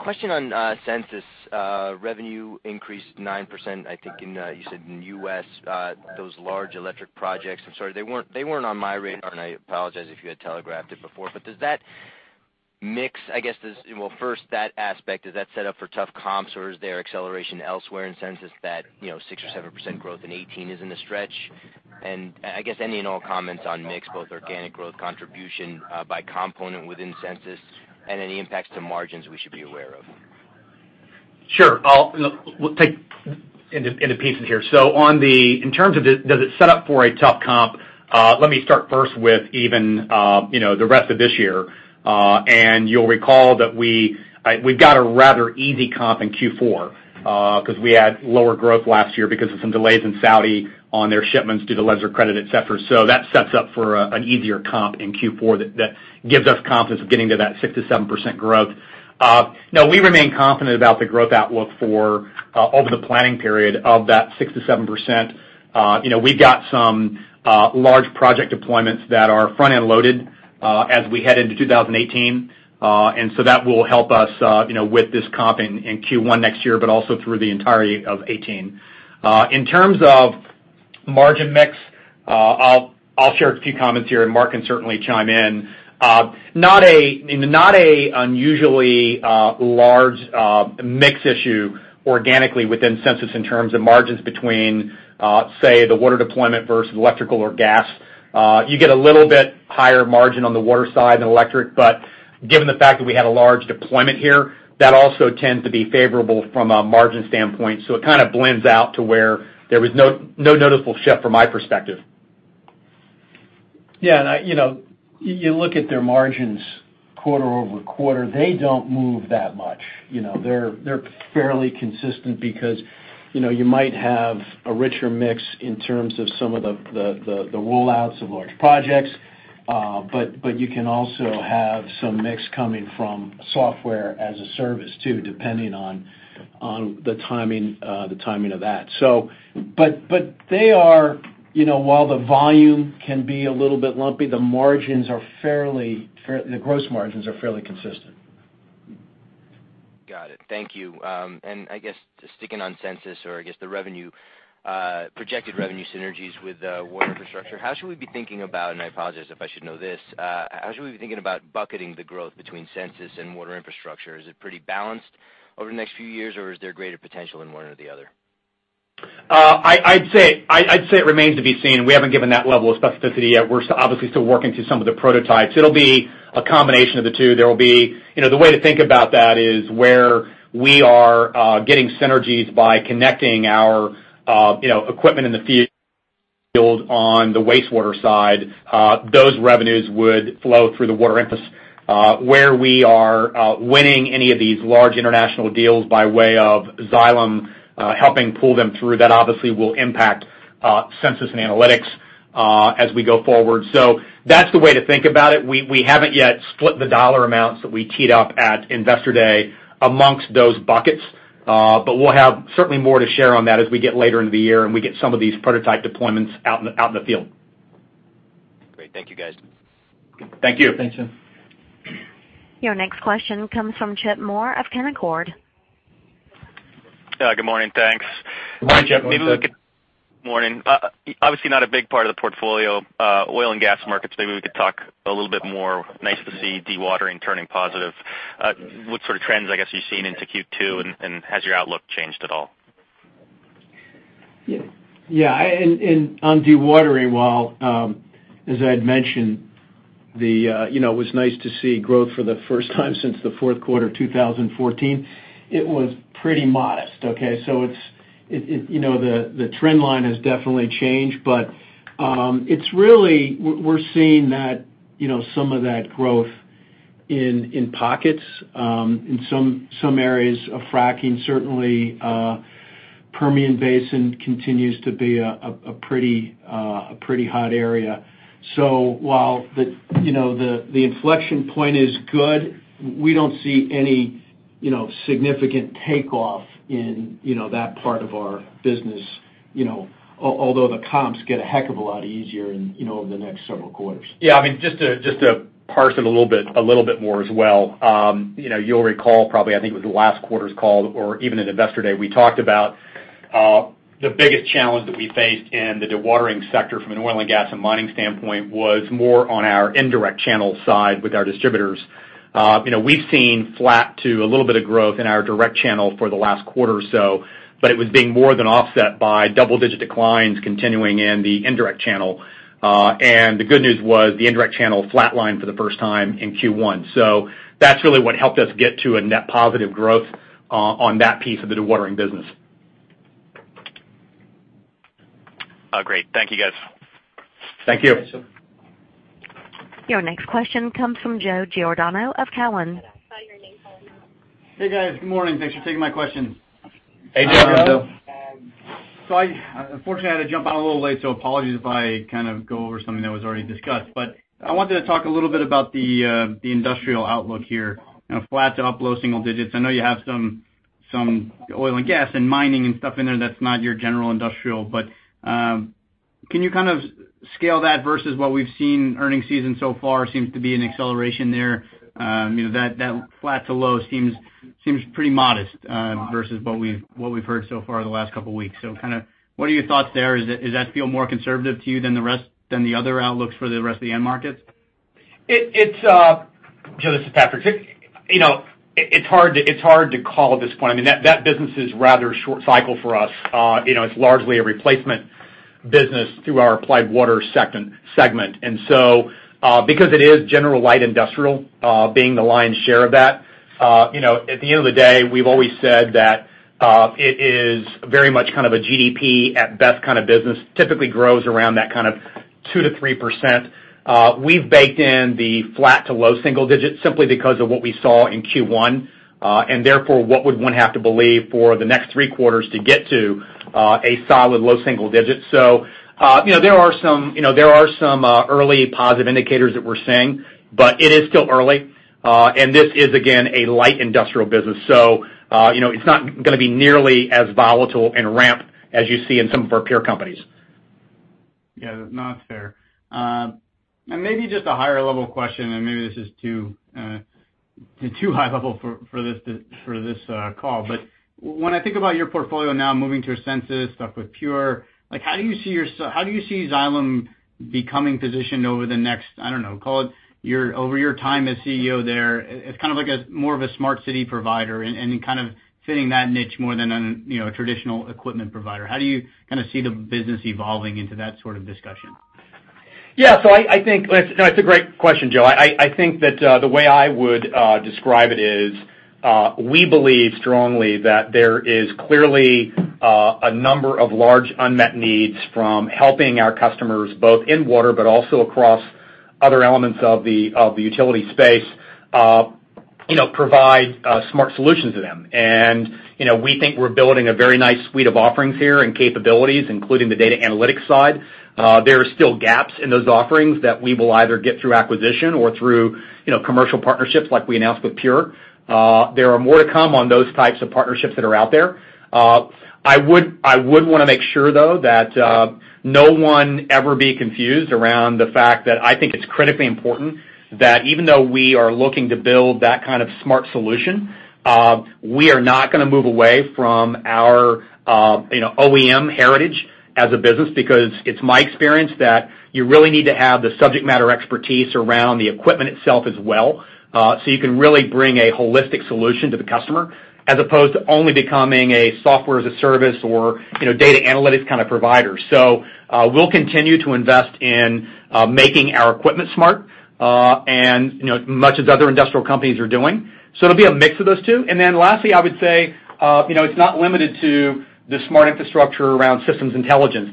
Question on Sensus revenue increased 9%, I think you said in the U.S., those large electric projects. I'm sorry, they weren't on my radar, and I apologize if you had telegraphed it before. Does that mix, I guess, well, first that aspect, is that set up for tough comps or is there acceleration elsewhere in Sensus that 6% or 7% growth in 2018 is in the stretch? I guess any and all comments on mix, both organic growth contribution by component within Sensus and any impacts to margins we should be aware of. Sure. We'll take into pieces here. In terms of does it set up for a tough comp, let me start first with even the rest of this year. You'll recall that we've got a rather easy comp in Q4, because we had lower growth last year because of some delays in Saudi on their shipments due to lesser credit, et cetera. That sets up for an easier comp in Q4 that gives us confidence of getting to that 6%-7% growth. We remain confident about the growth outlook over the planning period of that 6%-7%. We've got some large project deployments that are front-end loaded as we head into 2018. That will help us with this comp in Q1 next year, but also through the entirety of 2018. In terms of margin mix, I'll share a few comments here, and Mark can certainly chime in. Not an unusually large mix issue organically within Sensus in terms of margins between, say, the water deployment versus electrical or gas. You get a little bit higher margin on the water side than electric, but given the fact that we had a large deployment here, that also tends to be favorable from a margin standpoint. It kind of blends out to where there was no noticeable shift from my perspective. You look at their margins quarter-over-quarter, they don't move that much. They're fairly consistent because you might have a richer mix in terms of some of the roll-outs of large projects, but you can also have some mix coming from software-as-a-service too, depending on the timing of that. While the volume can be a little bit lumpy, the gross margins are fairly consistent. Got it. Thank you. I guess just sticking on Sensus or I guess the projected revenue synergies with Water Infrastructure, how should we be thinking about, and I apologize if I should know this, how should we be thinking about bucketing the growth between Sensus and Water Infrastructure? Is it pretty balanced over the next few years, or is there greater potential in one or the other? I'd say it remains to be seen. We haven't given that level of specificity yet. We're obviously still working through some of the prototypes. It'll be a combination of the two. The way to think about that is where we are getting synergies by connecting our equipment in the field on the wastewater side, those revenues would flow through the Water Infrastructure. Where we are winning any of these large international deals by way of Xylem helping pull them through, that obviously will impact Sensus and Xylem Analytics as we go forward. That's the way to think about it. We haven't yet split the dollar amounts that we teed up at Investor Day amongst those buckets. We'll have certainly more to share on that as we get later into the year and we get some of these prototype deployments out in the field. Great. Thank you, guys. Thank you. Thanks, Jim. Your next question comes from Chip Moore of Canaccord Genuity. Good morning. Thanks. Morning, Chip. Morning. Obviously not a big part of the portfolio, oil and gas markets. Maybe we could talk a little bit more. Nice to see dewatering turning positive. What sort of trends, I guess, you've seen into Q2, and has your outlook changed at all? Yeah. On dewatering, while as I had mentioned, it was nice to see growth for the first time since the fourth quarter 2014. It was pretty modest. Okay? The trend line has definitely changed. We're seeing some of that growth in pockets in some areas of fracking. Certainly, Permian Basin continues to be a pretty hot area. While the inflection point is good, we don't see any significant takeoff in that part of our business. Although the comps get a heck of a lot easier in the next several quarters. Yeah. Just to parse it a little bit more as well. You'll recall probably, I think it was last quarter's call or even at Investor Day, we talked about the biggest challenge that we faced in the dewatering sector from an oil and gas and mining standpoint was more on our indirect channel side with our distributors. We've seen flat to a little bit of growth in our direct channel for the last quarter or so, but it was being more than offset by double-digit declines continuing in the indirect channel. The good news was the indirect channel flat-lined for the first time in Q1. That's really what helped us get to a net positive growth on that piece of the dewatering business. Great. Thank you guys. Thank you. Thanks, Chip. Your next question comes from Joe Giordano of Cowen. Hey, guys. Good morning. Thanks for taking my question. Hey, Joe. Morning, Joe. Unfortunately, I had to jump on a little late, apologies if I go over something that was already discussed. I wanted to talk a little bit about the industrial outlook here. Flat to up low single digits. I know you have some oil and gas and mining and stuff in there that's not your general industrial, can you scale that versus what we've seen earnings season so far seems to be an acceleration there. That flat to low seems pretty modest versus what we've heard so far the last couple of weeks. What are your thoughts there? Does that feel more conservative to you than the other outlooks for the rest of the end markets? Joe, this is Patrick. It's hard to call at this point. That business is rather short cycle for us. It's largely a replacement business through our Applied Water segment. Because it is general light industrial being the lion's share of that, at the end of the day, we've always said that it is very much a GDP at best kind of business. Typically grows around that kind of 2%-3%. We've baked in the flat to low single digits simply because of what we saw in Q1, and therefore, what would one have to believe for the next three quarters to get to a solid low single digit. There are some early positive indicators that we're seeing, but it is still early. This is, again, a light industrial business, it's not going to be nearly as volatile and ramp as you see in some of our peer companies. Yeah, no, that's fair. Maybe just a higher-level question, maybe this is too high level for this call. When I think about your portfolio now moving to Sensus, stuff with Pure, how do you see Xylem becoming positioned over the next, call it, over your time as CEO there as more of a smart city provider and fitting that niche more than a traditional equipment provider. How do you see the business evolving into that sort of discussion? That's a great question, Joseph Giordano. I think that the way I would describe it is we believe strongly that there is clearly a number of large unmet needs from helping our customers both in water, but also across other elements of the utility space provide smart solutions to them. We think we're building a very nice suite of offerings here and capabilities, including the data analytics side. There are still gaps in those offerings that we will either get through acquisition or through commercial partnerships like we announced with Pure Technologies. There are more to come on those types of partnerships that are out there. I would want to make sure, though, that no one ever be confused around the fact that I think it's critically important that even though we are looking to build that kind of smart solution, we are not going to move away from our OEM heritage as a business because it's my experience that you really need to have the subject matter expertise around the equipment itself as well, so you can really bring a holistic solution to the customer as opposed to only becoming a software-as-a-service or data analytics kind of provider. We'll continue to invest in making our equipment smart and much as other industrial companies are doing. It'll be a mix of those two. Then lastly, I would say it's not limited to the smart infrastructure around systems intelligence.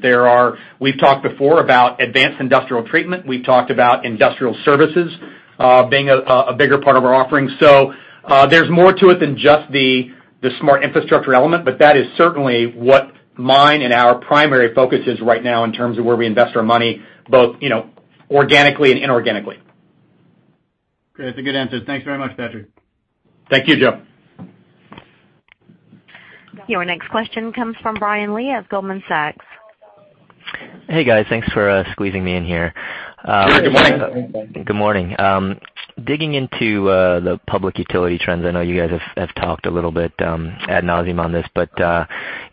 We've talked before about advanced industrial treatment. We've talked about industrial services being a bigger part of our offering. There's more to it than just the smart infrastructure element, but that is certainly what mine and our primary focus is right now in terms of where we invest our money, both organically and inorganically. Great. That's a good answer. Thanks very much, Patrick. Thank you, Joe. Your next question comes from Brian Lee of Goldman Sachs. Hey, guys. Thanks for squeezing me in here. Sure. Good morning. Good morning.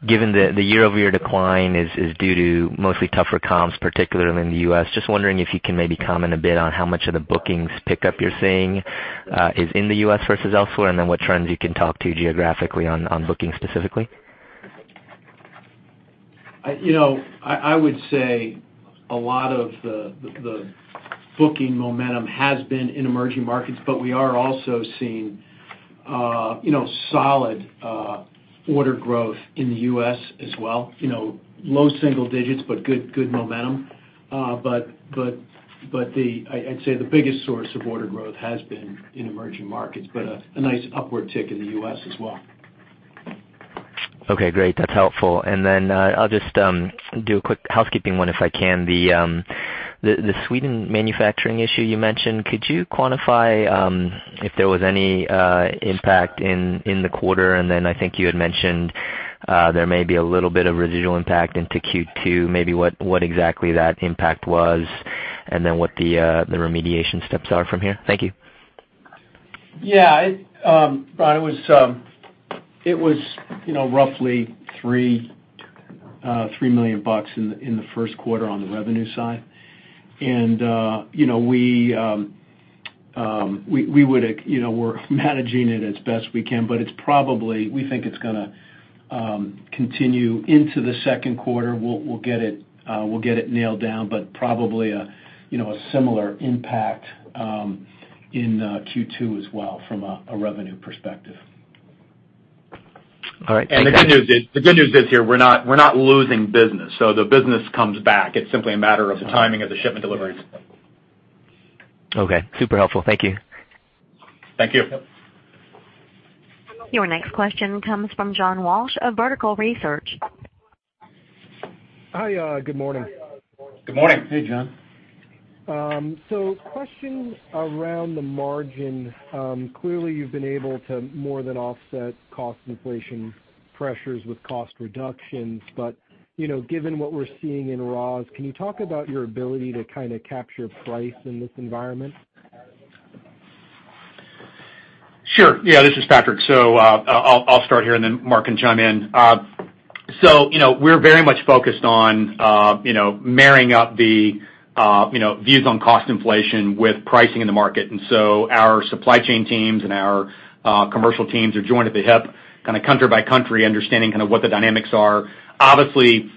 Given the year-over-year decline is due to mostly tougher comps, particularly in the U.S., just wondering if you can maybe comment a bit on how much of the bookings pickup you're seeing is in the U.S. versus elsewhere. What trends you can talk to geographically on bookings specifically. I would say a lot of the booking momentum has been in emerging markets. We are also seeing solid order growth in the U.S. as well. Low single digits. Good momentum. I'd say the biggest source of order growth has been in emerging markets. A nice upward tick in the U.S. as well. Okay, great. That's helpful. I'll just do a quick housekeeping one if I can. The Sweden manufacturing issue you mentioned, could you quantify if there was any impact in the quarter? I think you had mentioned there may be a little bit of residual impact into Q2, maybe what exactly that impact was. What the remediation steps are from here. Thank you. Yeah. Brian, it was roughly $3 million in the first quarter on the revenue side. We're managing it as best we can. We think it's going to continue into the second quarter. We'll get it nailed down. Probably a similar impact in Q2 as well from a revenue perspective. All right. The good news is here, we're not losing business, so the business comes back. It's simply a matter of the timing of the shipment deliveries. Okay. Super helpful. Thank you. Thank you. Your next question comes from John Walsh of Vertical Research. Hi, good morning. Good morning. Hey, John. Questions around the margin. Clearly, you've been able to more than offset cost inflation pressures with cost reductions. Given what we're seeing in raws, can you talk about your ability to capture price in this environment? Sure. Yeah. This is Patrick. I'll start here, and then Mark can chime in. We're very much focused on marrying up the views on cost inflation with pricing in the market. Our supply chain teams and our commercial teams are joined at the hip kind of country by country, understanding what the dynamics are. Obviously,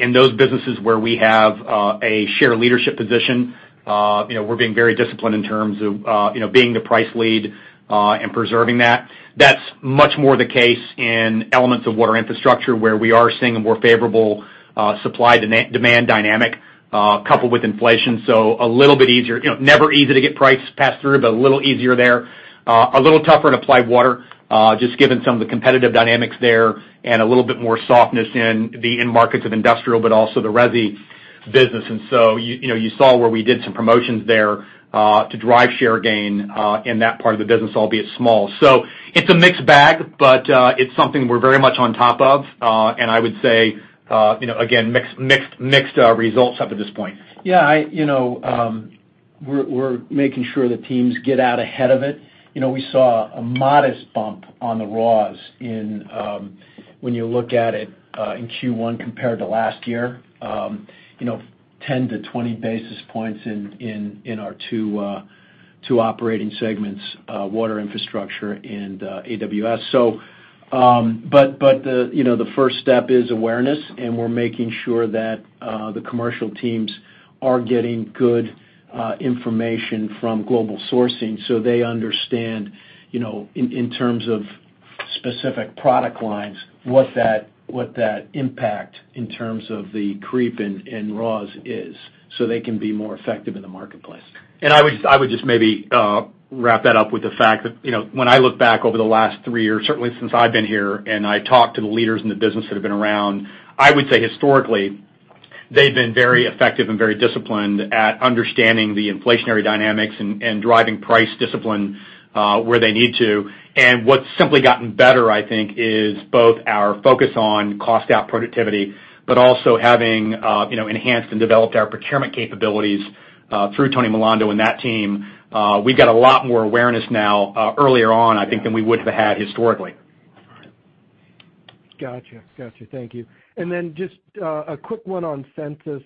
in those businesses where we have a share leadership position, we're being very disciplined in terms of being the price lead and preserving that. That's much more the case in elements of Water Infrastructure, where we are seeing a more favorable supply-demand dynamic coupled with inflation. A little bit easier. Never easy to get price pass-through, but a little easier there. A little tougher in Applied Water, just given some of the competitive dynamics there and a little bit more softness in markets of industrial, but also the resi business. You saw where we did some promotions there to drive share gain in that part of the business, albeit small. It's a mixed bag, but it's something we're very much on top of. I would say, again, mixed results up to this point. Yeah. We're making sure the teams get out ahead of it. We saw a modest bump on the raws when you look at it in Q1 compared to last year. 10 to 20 basis points in our two operating segments, Water Infrastructure and AWS. The first step is awareness, and we're making sure that the commercial teams are getting good information from global sourcing so they understand, in terms of specific product lines, what that impact in terms of the creep in raws is, so they can be more effective in the marketplace. I would just maybe wrap that up with the fact that when I look back over the last 3 years, certainly since I've been here, I talk to the leaders in the business that have been around, I would say historically, they've been very effective and very disciplined at understanding the inflationary dynamics and driving price discipline where they need to. What's simply gotten better, I think, is both our focus on cost out productivity, but also having enhanced and developed our procurement capabilities through Tony Milando and that team. We've got a lot more awareness now earlier on, I think, than we would have had historically. Got you. Thank you. Just a quick one on Sensus.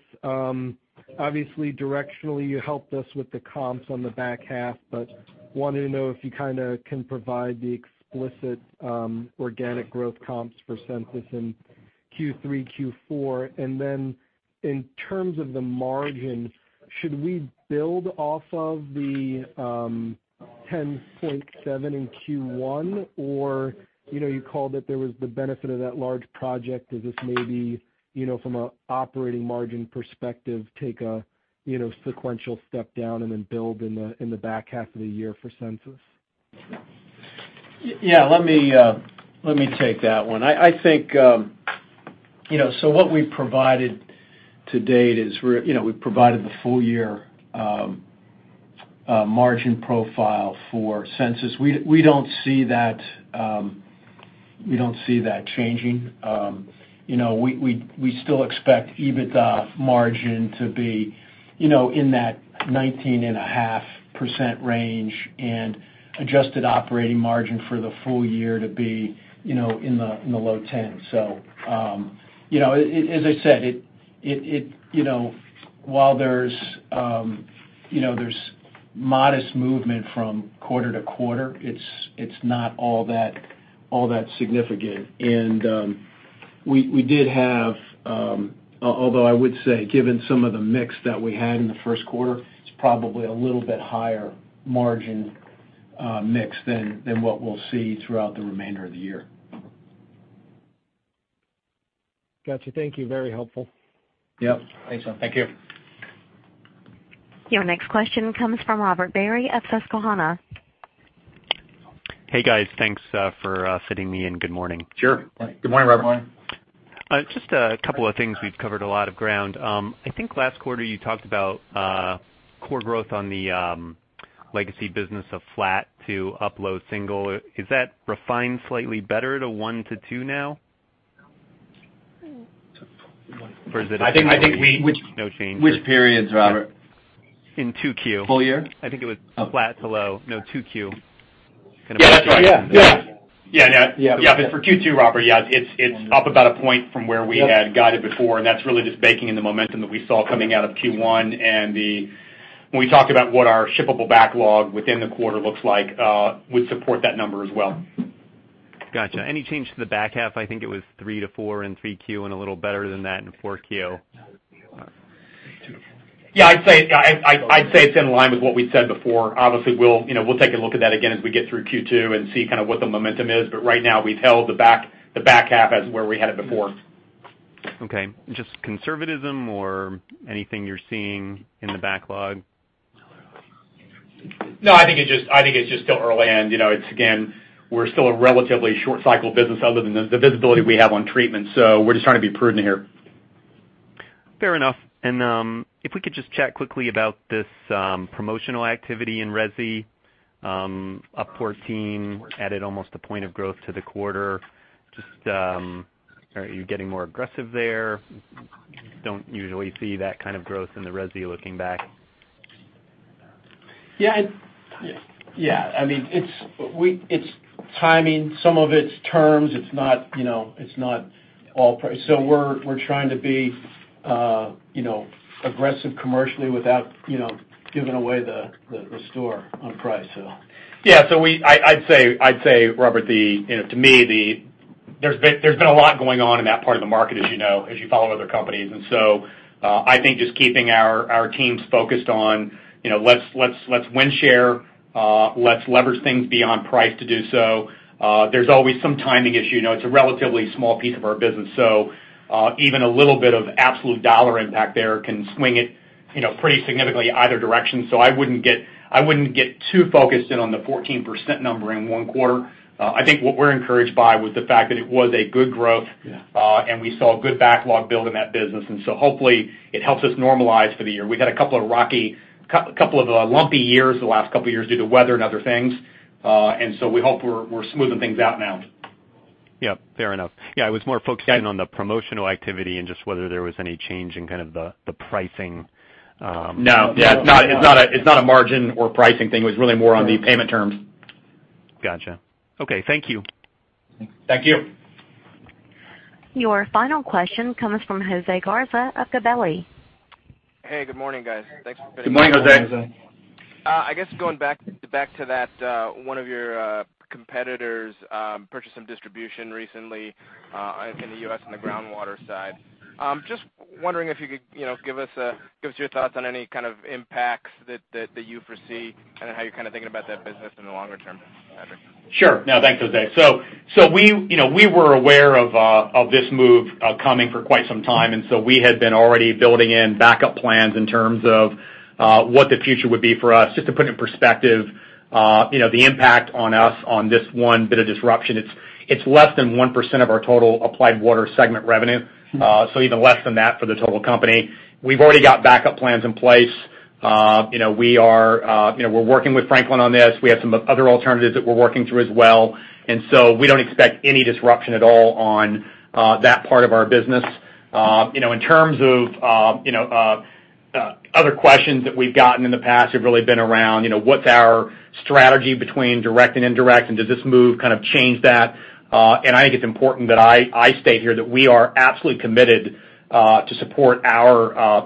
Obviously, directionally, you helped us with the comps on the back half, but wanted to know if you can provide the explicit organic growth comps for Sensus in Q3, Q4. In terms of the margin, should we build off of the 10.7% in Q1, or you called that there was the benefit of that large project. Does this maybe, from an operating margin perspective, take a sequential step down and then build in the back half of the year for Sensus? Yeah, let me take that one. What we've provided to date is we've provided the full year Margin profile for Sensus. We don't see that changing. We still expect EBITDA margin to be in that 19.5% range and adjusted operating margin for the full year to be in the low 10s. As I said, while there's modest movement from quarter to quarter, it's not all that significant. Although I would say, given some of the mix that we had in the first quarter, it's probably a little bit higher margin mix than what we'll see throughout the remainder of the year. Got you. Thank you. Very helpful. Yep. Thanks, man. Thank you. Your next question comes from Robert Barry at Susquehanna. Hey, guys. Thanks for fitting me in. Good morning. Sure. Good morning. Good morning, Robert. Just a couple of things. We've covered a lot of ground. I think last quarter you talked about core growth on the legacy business of flat to low single. Is that refined slightly better to one to two now? Or is it- I think we- No change? Which periods, Robert? In 2Q. Full year? I think it was flat to low. 2Q. That's right. Yeah. Yeah. For Q2, Robert, yeah, it's up about a point from where we had guided before, and that's really just baking in the momentum that we saw coming out of Q1. When we talk about what our shippable backlog within the quarter looks like, would support that number as well. Got you. Any change to the back half? I think it was 3%-4% in 3Q and a little better than that in 4Q. Yeah, I'd say it's in line with what we said before. Obviously, we'll take a look at that again as we get through Q2 and see what the momentum is. Right now, we've held the back half as where we had it before. Okay. Just conservatism or anything you are seeing in the backlog? No, I think it is just still early and, it is again, we are still a relatively short cycle business other than the visibility we have on treatment. We are just trying to be prudent here. Fair enough. If we could just chat quickly about this promotional activity in resi, up 14%, added almost a point of growth to the quarter. Just are you getting more aggressive there? Do not usually see that kind of growth in the resi looking back. Yeah. It is timing. Some of it is terms. It is not all price. We are trying to be aggressive commercially without giving away the store on price. Yeah. I would say, Robert, to me, there has been a lot going on in that part of the market as you know, as you follow other companies. I think just keeping our teams focused on, let us win share. Let us leverage things beyond price to do so. There is always some timing issue. It is a relatively small piece of our business, so even a little bit of absolute dollar impact there can swing it pretty significantly either direction. I wouldn't get too focused in on the 14% number in one quarter. I think what we are encouraged by was the fact that it was a good growth and we saw good backlog build in that business. Hopefully it helps us normalize for the year. We've had a couple of lumpy years, the last couple of years due to weather and other things. We hope we're smoothing things out now. Yep, fair enough. Yeah, I was more focusing on the promotional activity and just whether there was any change in the pricing. No. No. It's not a margin or pricing thing. It was really more on the payment terms. Got you. Okay, thank you. Thank you. Your final question comes from Jose Garza of Gabelli. Hey, good morning, guys. Thanks for fitting me in. Good morning, Jose. Good morning. I guess going back to that, one of your competitors purchased some distribution recently in the U.S. on the groundwater side. Just wondering if you could give us your thoughts on any kind of impacts that you foresee and how you're thinking about that business in the longer term, Patrick. Sure. No, thanks, Jose. We were aware of this move coming for quite some time, we had been already building in backup plans in terms of what the future would be for us. Just to put it in perspective, the impact on us on this one bit of disruption, it's less than 1% of our total Applied Water segment revenue. Even less than that for the total company. We've already got backup plans in place. We're working with Franklin on this. We have some other alternatives that we're working through as well, we don't expect any disruption at all on that part of our business. In terms of other questions that we've gotten in the past have really been around what's our strategy between direct and indirect, does this move kind of change that? I think it's important that I state here that we are absolutely committed to support our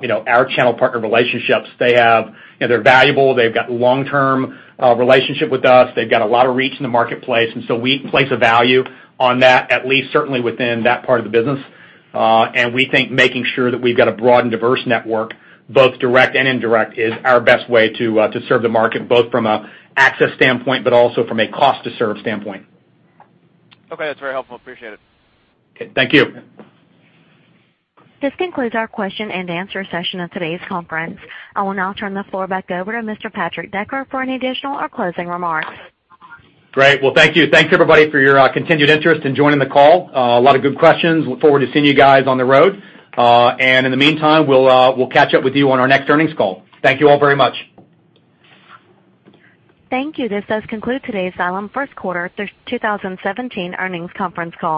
channel partner relationships. They're valuable. They've got long-term relationship with us. They've got a lot of reach in the marketplace, we place a value on that, at least certainly within that part of the business. We think making sure that we've got a broad and diverse network, both direct and indirect, is our best way to serve the market, both from a access standpoint, but also from a cost to serve standpoint. Okay, that's very helpful. Appreciate it. Okay. Thank you. This concludes our question and answer session of today's conference. I will now turn the floor back over to Mr. Patrick Decker for any additional or closing remarks. Great. Well, thank you. Thanks, everybody, for your continued interest in joining the call. A lot of good questions. Look forward to seeing you guys on the road. In the meantime, we'll catch up with you on our next earnings call. Thank you all very much. Thank you. This does conclude today's Xylem First Quarter 2017 Earnings Conference Call.